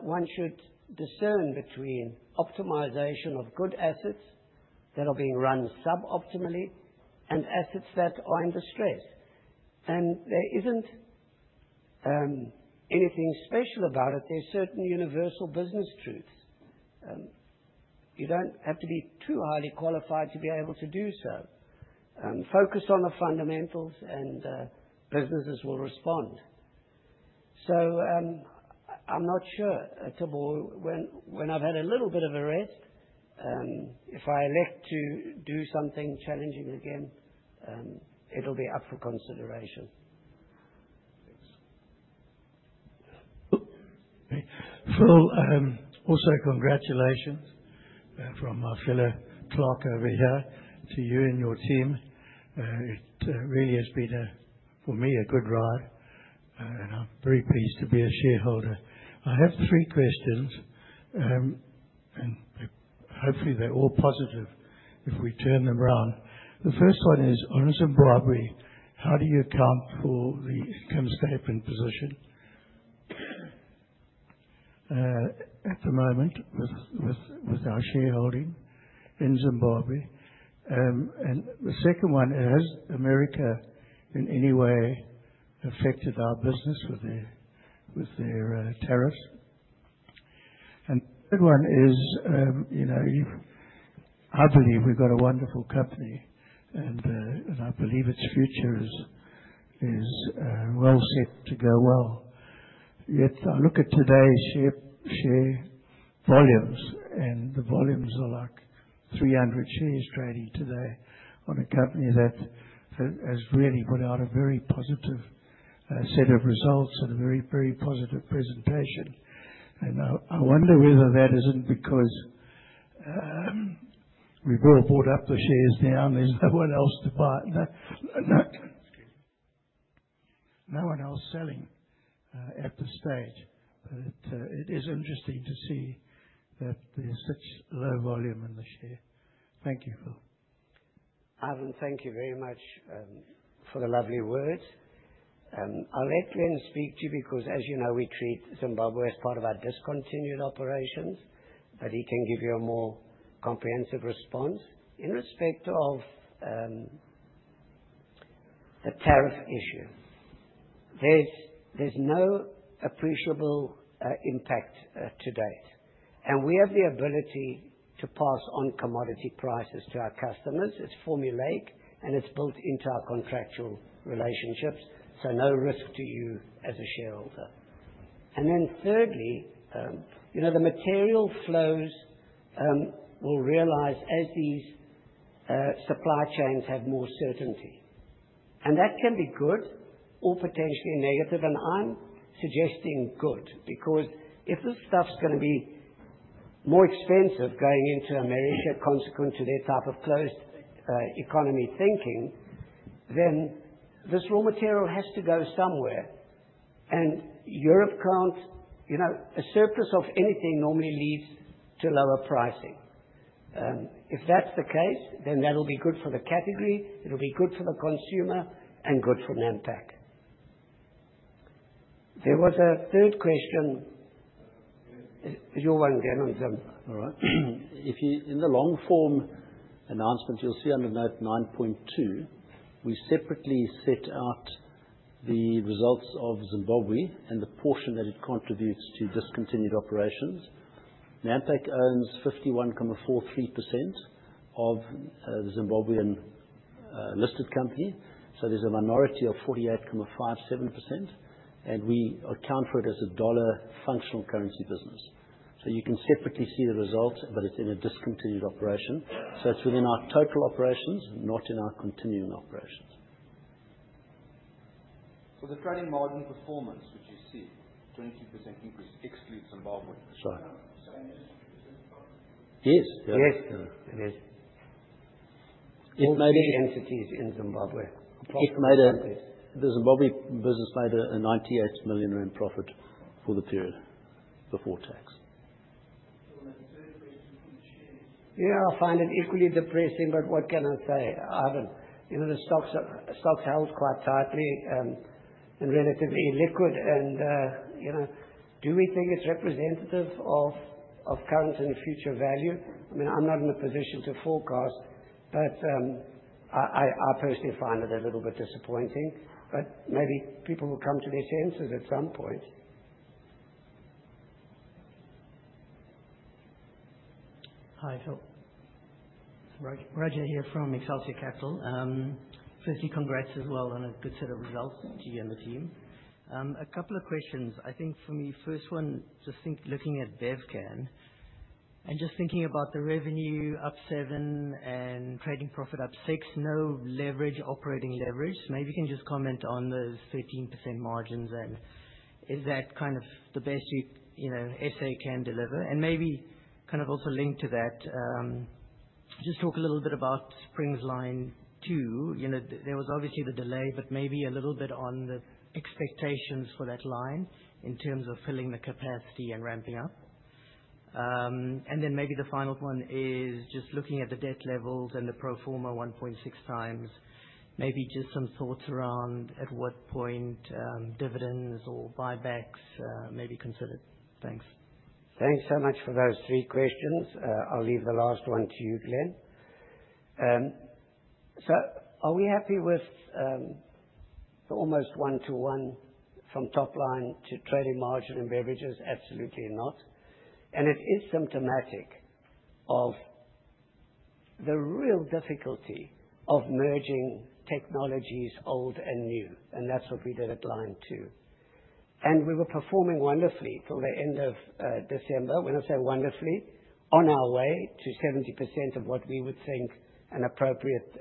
Speaker 2: One should discern between optimization of good assets that are being run sub-optimally and assets that are in distress. There isn't anything special about it. There are certain universal business truths. You don't have to be too highly qualified to be able to do so. Focus on the fundamentals, and businesses will respond. I'm not sure, Thabo. When I've had a little bit of a rest, if I elect to do something challenging again, it'll be up for consideration.
Speaker 1: Thanks.
Speaker 6: Phil, also congratulations from my fellow clerk over here to you and your team. It really has been, for me, a good ride, and I'm very pleased to be a shareholder. I have three questions, and hopefully they're all positive if we turn them around. The first one is on Zimbabwe, how do you account for the income statement position at the moment with our shareholding in Zimbabwe? The second one, has America in any way affected our business with their tariffs? Third one is, you know, I believe we've got a wonderful company and I believe its future is well set to go well. Yet I look at today's share volumes, and the volumes are like 300 shares trading today on a company that has really put out a very positive set of results and a very positive presentation. I wonder whether that isn't because we've all bought up the shares now and there's no one else to buy. No one else selling. At this stage, it is interesting to see that there's such low volume in the share. Thank you, Phil.
Speaker 2: Ivan, thank you very much for the lovely words. I'll let Glenn speak to you because, as you know, we treat Zimbabwe as part of our discontinued operations, but he can give you a more comprehensive response. In respect of the tariff issue, there's no appreciable impact to date. We have the ability to pass on commodity prices to our customers. It's formulated, and it's built into our contractual relationships, so no risk to you as a shareholder. Then thirdly, you know, the material flows will realize as these supply chains have more certainty. That can be good or potentially negative, and I'm suggesting good. Because if this stuff's gonna be more expensive going into America consequent to their type of closed economy thinking, then this raw material has to go somewhere. Europe can't... You know, a surplus of anything normally leads to lower pricing. If that's the case, then that'll be good for the category, it'll be good for the consumer and good for Nampak. There was a third question. It was your one, Glenn. Go on.
Speaker 4: All right. In the long form announcement, you'll see under note 9.2, we separately set out the results of Zimbabwe and the portion that it contributes to discontinued operations. Nampak owns 51.43% of the Zimbabwean listed company, so there's a minority of 48.57%, and we account for it as a dollar functional currency business. You can separately see the results, but it's in a discontinued operation. It's within our total operations, not in our continuing operations.
Speaker 6: The trading margin performance which you see, 20% increase excludes Zimbabwe.
Speaker 4: That's right.
Speaker 6: Same as Zimbabwe
Speaker 2: All three entities in Zimbabwe.
Speaker 4: The Zimbabwe business made a 98 million rand profit for the period before tax.
Speaker 6: On a third question on the shares.
Speaker 2: Yeah, I find it equally depressing, but what can I say, Ivan? You know, the stock's held quite tightly, and relatively illiquid and, you know. Do we think it's representative of current and future value? I mean, I'm not in a position to forecast, but, I personally find it a little bit disappointing, but maybe people will come to their senses at some point.
Speaker 7: Hi, Phil. Roger here from Excelsior Capital. Firstly, congrats as well on a good set of results to you and the team. A couple of questions. I think for me, first one, just thinking, looking at Bevcan and just thinking about the revenue up 7% and trading profit up 6%, no leverage, operating leverage. Maybe you can just comment on those 13% margins and is that kind of the best you know SA can deliver? Maybe kind of also linked to that, just talk a little bit about Springs line 2. You know, there was obviously the delay, but maybe a little bit on the expectations for that line in terms of filling the capacity and ramping up. And then maybe the final one is just looking at the debt levels and the pro forma 1.6x. Maybe just some thoughts around at what point dividends or buybacks may be considered. Thanks.
Speaker 2: Thanks so much for those three questions. I'll leave the last one to you, Glenn. So are we happy with almost one-to-one from top line to trading margin and beverages? Absolutely not. It is symptomatic of the real difficulty of merging technologies, old and new, and that's what we did at line two. We were performing wonderfully from the end of December. When I say wonderfully, on our way to 70% of what we would think an appropriate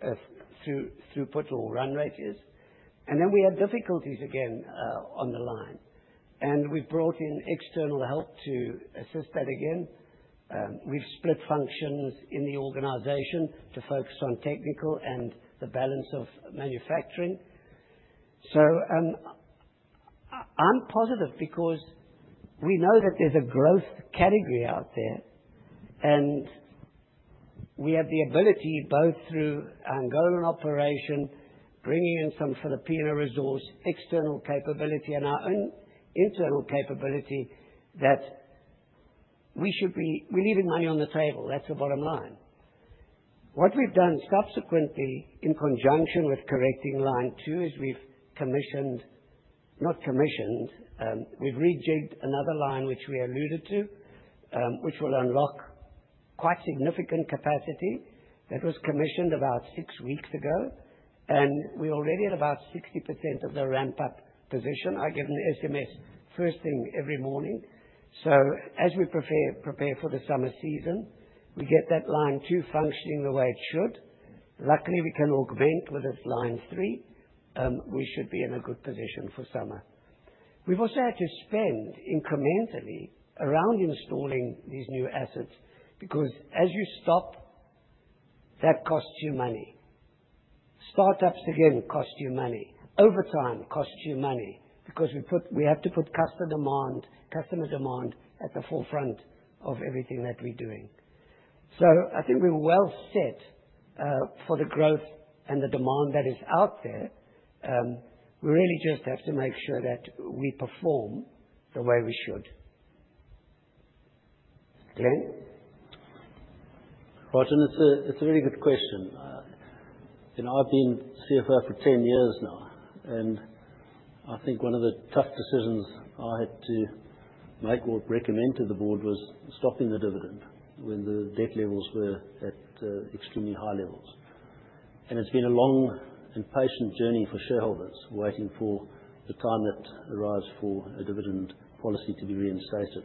Speaker 2: throughput or run rate is. Then we had difficulties again on the line. We've brought in external help to assist that again. We've split functions in the organization to focus on technical and the balance of manufacturing. I'm positive because we know that there's a growth category out there, and we have the ability both through Angolan operation, bringing in some Filipino resource, external capability and our own internal capability. We're leaving money on the table, that's the bottom line. What we've done subsequently in conjunction with correcting line two is we've rejigged another line which we alluded to, which will unlock quite significant capacity. That was commissioned about 6 weeks ago, and we're already at about 60% of the ramp-up position. I get an SMS first thing every morning. As we prepare for the summer season, we get that line two functioning the way it should. Luckily, we can augment with this line three. We should be in a good position for summer. We've also had to spend incrementally around installing these new assets because as you stop, that costs you money. Start-ups again cost you money. Overtime costs you money because we have to put customer demand at the forefront of everything that we're doing. I think we're well set for the growth and the demand that is out there. We really just have to make sure that we perform the way we should. Glenn?
Speaker 4: Right. It's a very good question. You know, I've been CFO for 10 years now, and I think one of the tough decisions I had to make or recommend to the board was stopping the dividend when the debt levels were at extremely high levels. It's been a long and patient journey for shareholders waiting for the time that arrives for a dividend policy to be reinstated.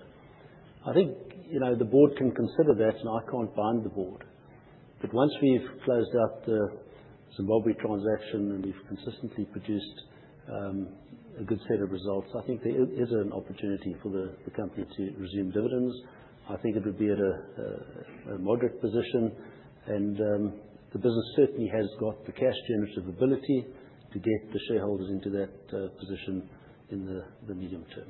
Speaker 4: I think, you know, the board can consider that, and I can't bind the board. Once we've closed out the Zimbabwe transaction, and we've consistently produced a good set of results, I think there is an opportunity for the company to resume dividends. I think it would be at a moderate position and the business certainly has got the cash generativity to get the shareholders into that position in the medium term.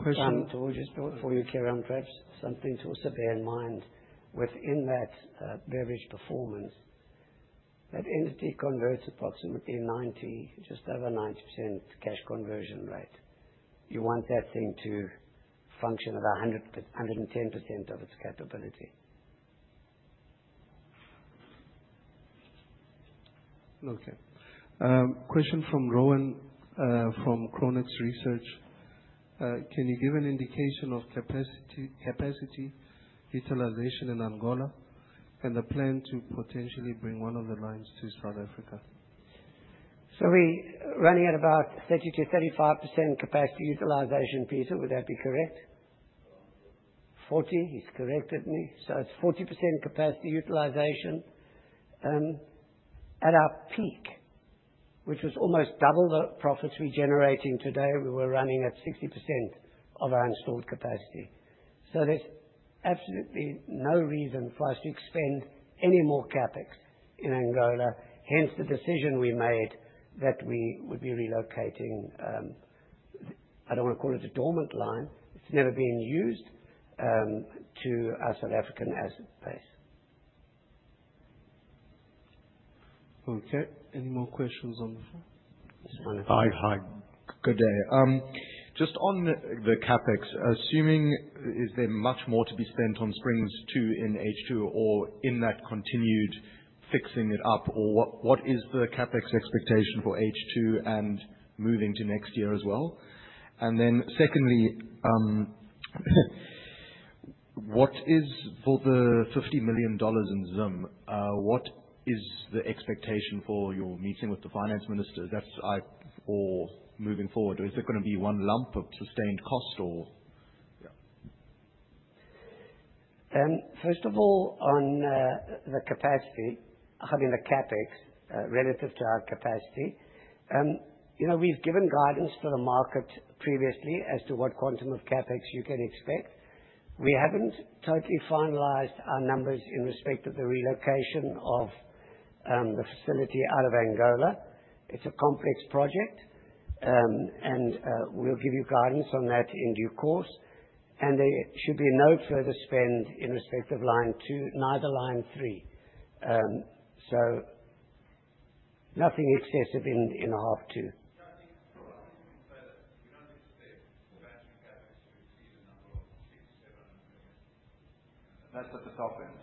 Speaker 1: All right.
Speaker 2: Just before you carry on, perhaps something to also bear in mind within that beverage performance, that entity converts approximately 90, just over 90% cash conversion rate. You want that thing to function at 100%-110% of its capability.
Speaker 1: Okay. Question from Rowan, from Chronux Research. Can you give an indication of capacity utilization in Angola and the plan to potentially bring one of the lines to South Africa?
Speaker 2: We running at about 30%-35% capacity utilization. Peter, would that be correct? Forty. He's corrected me. It's 40% capacity utilization. At our peak, which was almost double the profits we're generating today, we were running at 60% of our installed capacity. There's absolutely no reason for us to expend any more CapEx in Angola. Hence, the decision we made that we would be relocating, I don't wanna call it a dormant line, it's never been used, to our South African asset base.
Speaker 1: Okay. Any more questions on the phone?
Speaker 8: Hi. Hi. Good day. Just on the CapEx, assuming, is there much more to be spent on Springs 2 in H2 or in that continued fixing it up, or what is the CapEx expectation for H2 and moving to next year as well? Secondly, what is for the $50 million in Zim, what is the expectation for your meeting with the finance minister? Moving forward, is there gonna be one lump of sustained cost or?
Speaker 2: First of all, on the capacity, I mean the CapEx, relative to our capacity, you know, we've given guidance to the market previously as to what quantum of CapEx you can expect. We haven't totally finalized our numbers in respect of the relocation of the facility out of Angola. It's a complex project, and we'll give you guidance on that in due course. There should be no further spend in respect of line two, neither line three. Nothing excessive in half two.
Speaker 4: That's at the top end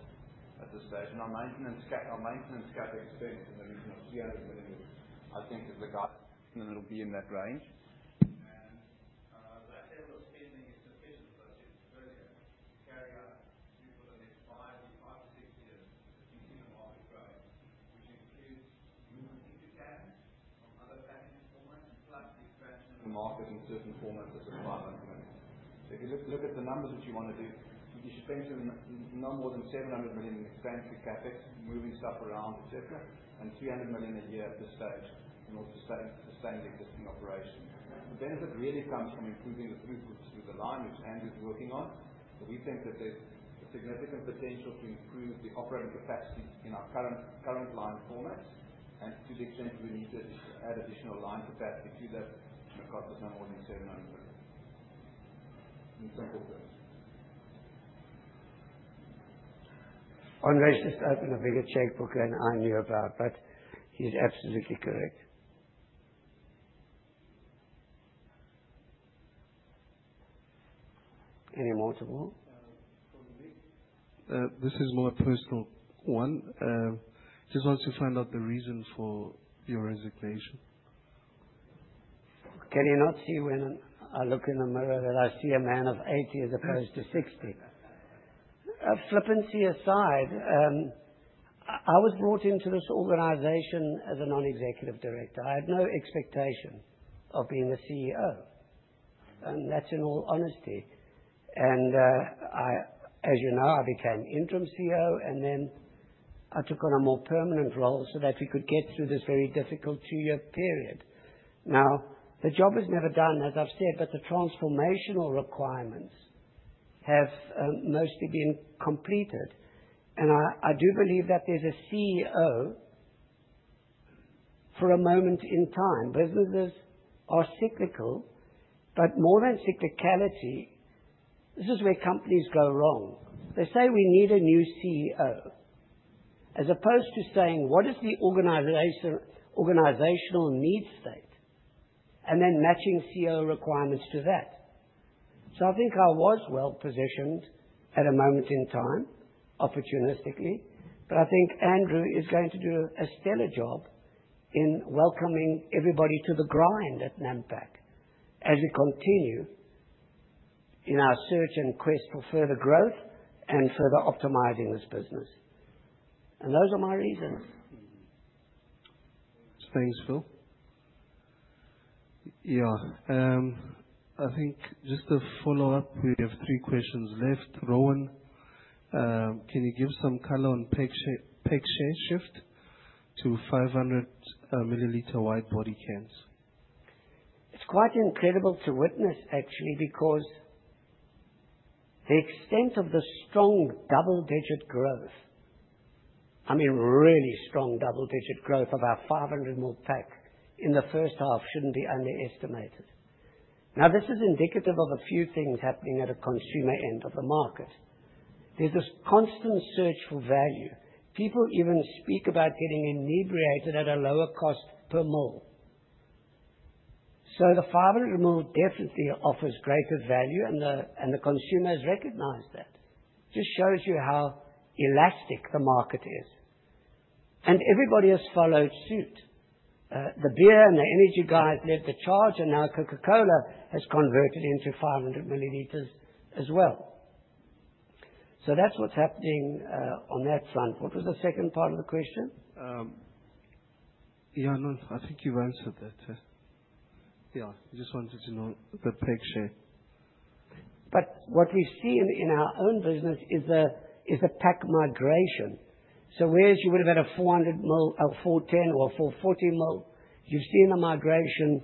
Speaker 4: at this stage. Our maintenance CapEx spend is in the region of 300 million. I think that the guide, and it'll be in that range.
Speaker 1: That level of spending is sufficient for us in Zambia to carry out improvements over the next 5-6 years to continue market growth, which includes improvements in Zambia from other package formats plus the expansion of the market in certain formats that we serve on the planet. If you look at the numbers that you wanna do, you should spend some, not more than 700 million in expansive CapEx, moving stuff around, et cetera, and 300 million a year at this stage in order to sustain the existing operation. The benefit really comes from improving the throughput through the line, which Andrew's working on. We think that there's significant potential to improve the operating capacity in our current line formats. To the extent we need to add additional line capacity to that, should cost us no more than 700 million. In simple terms.
Speaker 2: Andre's just opened a bigger checkbook than I knew about, but he's absolutely correct. Any more at all?
Speaker 1: This is my personal one. I just want to find out the reasons for your resignation.
Speaker 2: Can you not see when I look in the mirror that I see a man of 80 as opposed to 60? Flippancy aside, I was brought into this organization as a non-executive director. I had no expectation of being the CEO, and that's in all honesty. As you know, I became interim CEO and then I took on a more permanent role so that we could get through this very difficult two-year period. Now, the job is never done, as I've said, but the transformational requirements have mostly been completed. I do believe that there's a CEO for a moment in time. Businesses are cyclical, but more than cyclicality, this is where companies go wrong. They say we need a new CEO as opposed to saying, "What is the organizational need state?" Then matching CEO requirements to that. I think I was well-positioned at a moment in time, opportunistically. I think Andrew is going to do a stellar job in welcoming everybody to the grind at Nampak as we continue in our search and quest for further growth and further optimizing this business. Those are my reasons.
Speaker 1: Thanks, Phil. Yeah. I think just a follow-up. We have three questions left. Rowan, can you give some color on pack share shift to 500 ml wide body cans?
Speaker 2: It's quite incredible to witness actually because the extent of the strong double-digit growth. I mean, really strong double-digit growth of our 500 ml pack in the first half shouldn't be underestimated. Now, this is indicative of a few things happening at the consumer end of the market. There's this constant search for value. People even speak about getting inebriated at a lower cost per ml. The 500 ml definitely offers greater value, and the consumers recognize that. Just shows you how elastic the market is. Everybody has followed suit. The beer and the energy guys led the charge, and now Coca-Cola has converted into 500 milliliters as well. That's what's happening on that front. What was the second part of the question?
Speaker 1: Yeah, no, I think you've answered that. Yeah. I just wanted to know the Nampak share.
Speaker 2: What we see in our own business is a pack migration. Whereas you would've had a 400 ml or 410 or a 440 ml, you're seeing a migration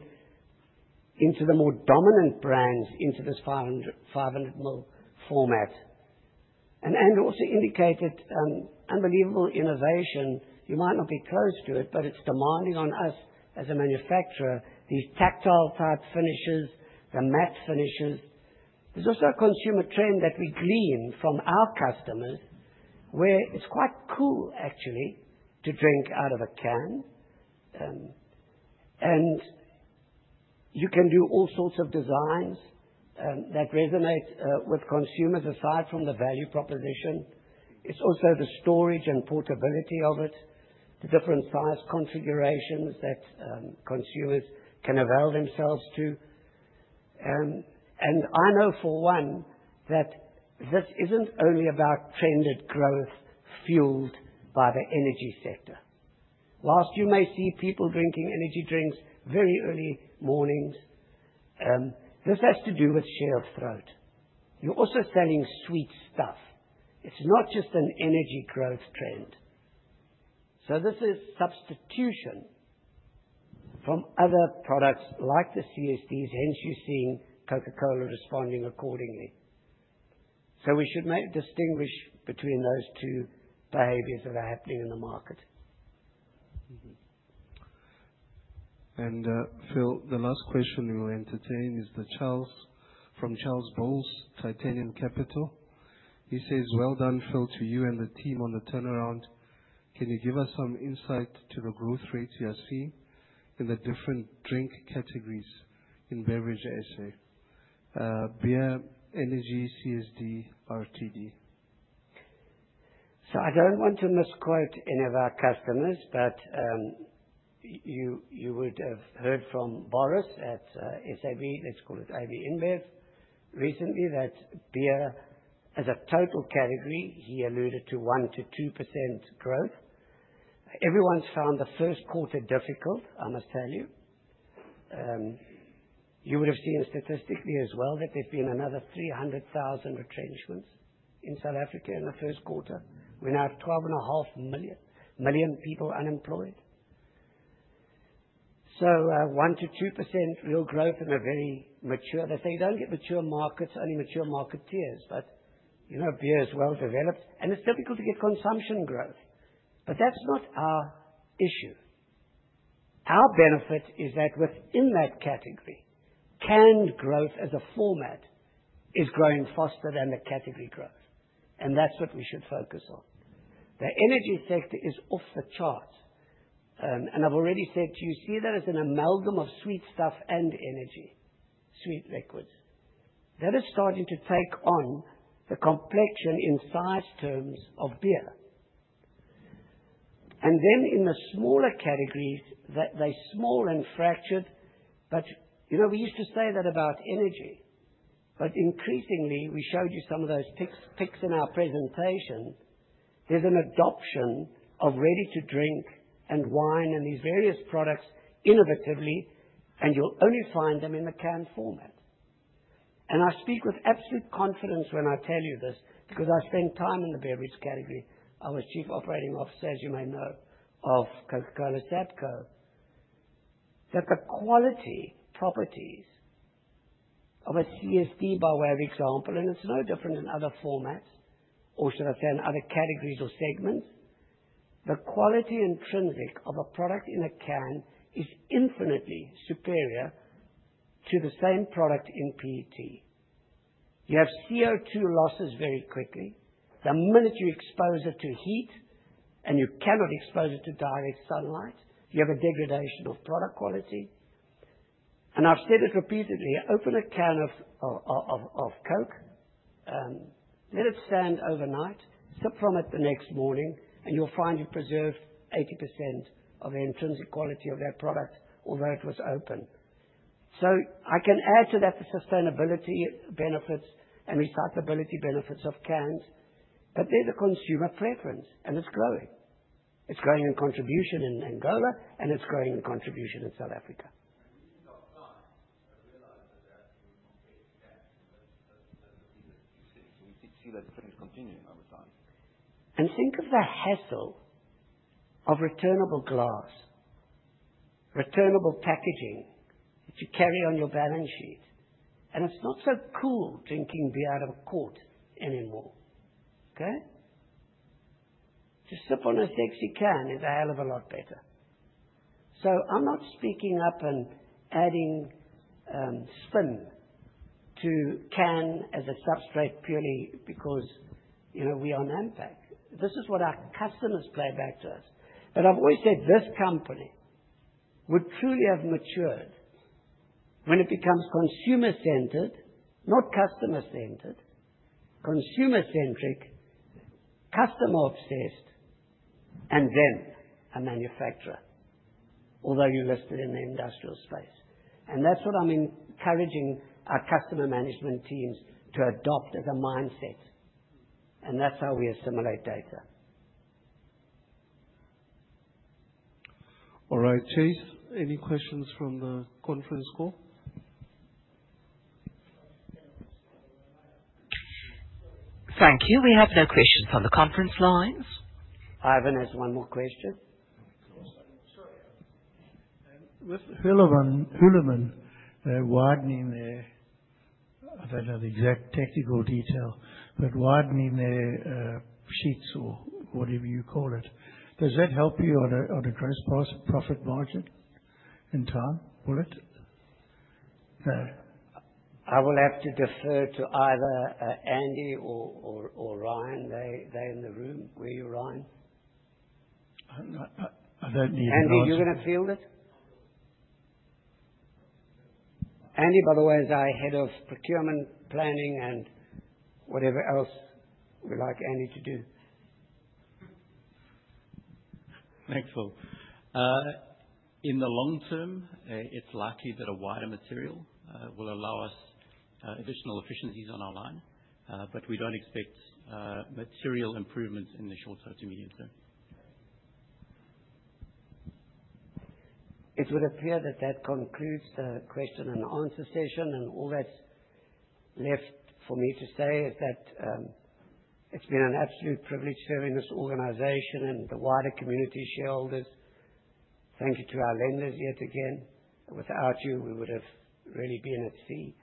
Speaker 2: into the more dominant brands into this 500 ml format. Also indicated unbelievable innovation. You might not be close to it, but it's demanding on us as a manufacturer, these tactile type finishes, the matte finishes. There's also a consumer trend that we glean from our customers, where it's quite cool actually to drink out of a can. You can do all sorts of designs that resonate with consumers aside from the value proposition. It's also the storage and portability of it, the different size configurations that consumers can avail themselves to. I know for one that this isn't only about trended growth fueled by the energy sector. While you may see people drinking energy drinks very early mornings, this has to do with share of throat. You're also selling sweet stuff. It's not just an energy growth trend. We should make a distinction between those two behaviors that are happening in the market.
Speaker 1: Phil, the last question we will entertain is from Charles Bowles, Titanium Capital. He says, "Well done, Phil, to you and the team on the turnaround. Can you give us some insight into the growth rates you are seeing in the different drink categories in Beverage SA? Beer, energy, CSD, RTD.
Speaker 2: I don't want to misquote any of our customers, but you would have heard from Boris at SAB, let's call it AB InBev, recently that beer as a total category, he alluded to 1%-2% growth. Everyone's found the first quarter difficult, I must tell you. You would have seen statistically as well that there've been another 300,000 retrenchments in South Africa in the first quarter. We now have 12.5 million people unemployed. 1%-2% real growth in a very mature market. They say you don't get mature markets, only mature marketeers, but you know, beer is well developed, and it's difficult to get consumption growth. That's not our issue. Our benefit is that within that category, canned growth as a format is growing faster than the category growth, and that's what we should focus on. The energy sector is off the charts. I've already said to you, see that as an amalgam of sweet stuff and energy, sweet liquids. That is starting to take on the complexion in size terms of beer. Then in the smaller categories, they're small and fractured. You know, we used to say that about energy. Increasingly, we showed you some of those pics in our presentation. There's an adoption of ready-to-drink and wine and these various products innovatively, and you'll only find them in the canned format. I speak with absolute confidence when I tell you this because I spent time in the beverage category. I was Chief Operating Officer, as you may know, of Coca-Cola Sabco. That the quality properties of a CSD, by way of example, and it's no different in other formats, or should I say in other categories or segments. The intrinsic quality of a product in a can is infinitely superior to the same product in PET. You have CO2 losses very quickly. The minute you expose it to heat, and you cannot expose it to direct sunlight, you have a degradation of product quality. I've said it repeatedly, open a can of Coke, let it stand overnight, sip from it the next morning, and you'll find it preserved 80% of the intrinsic quality of that product, although it was open. I can add to that the sustainability benefits and recyclability benefits of cans, but they're the consumer preference, and it's growing. It's growing in contribution in Angola, and it's growing in contribution in South Africa. Think of the hassle of returnable glass, returnable packaging that you carry on your balance sheet. It's not so cool drinking beer out of a quart anymore. Okay. To sip on a sexy can is a hell of a lot better. I'm not speaking up and adding spin to can as a substrate purely because, you know, we own Nampak. This is what our customers play back to us. I've always said, this company would truly have matured when it becomes consumer-centered, not customer-centered, consumer-centric, customer-obsessed, and then a manufacturer. Although you're listed in the industrial space. That's what I'm encouraging our customer management teams to adopt as a mindset, and that's how we assimilate data.
Speaker 1: All right, Chase. Any questions from the conference call?
Speaker 9: Thank you. We have no questions from the conference lines.
Speaker 2: Ivan has one more question.
Speaker 6: Hulamin, widening their, I don't know the exact technical detail, but widening their sheets or whatever you call it, does that help you on a gross profit margin in time? Will it?
Speaker 2: I will have to defer to either Andy or Ryan. They're in the room. Where are you, Ryan?
Speaker 6: I don't need an answer.
Speaker 2: Andy, you gonna field it? Andy, by the way, is our head of procurement, planning, and whatever else we like Andy to do.
Speaker 10: Thanks, Phil. In the long term, it's likely that a wider material will allow us additional efficiencies on our line. We don't expect material improvements in the short to medium term.
Speaker 2: It would appear that concludes the question and answer session, and all that's left for me to say is that, it's been an absolute privilege serving this organization and the wider community shareholders. Thank you to our lenders yet again. Without you, we would have really been at sea.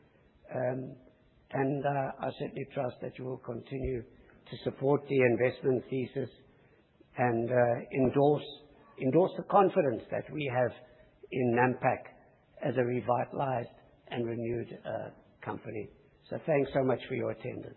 Speaker 2: I certainly trust that you will continue to support the investment thesis and endorse the confidence that we have in Nampak as a revitalized and renewed company. Thank you so much for your attendance.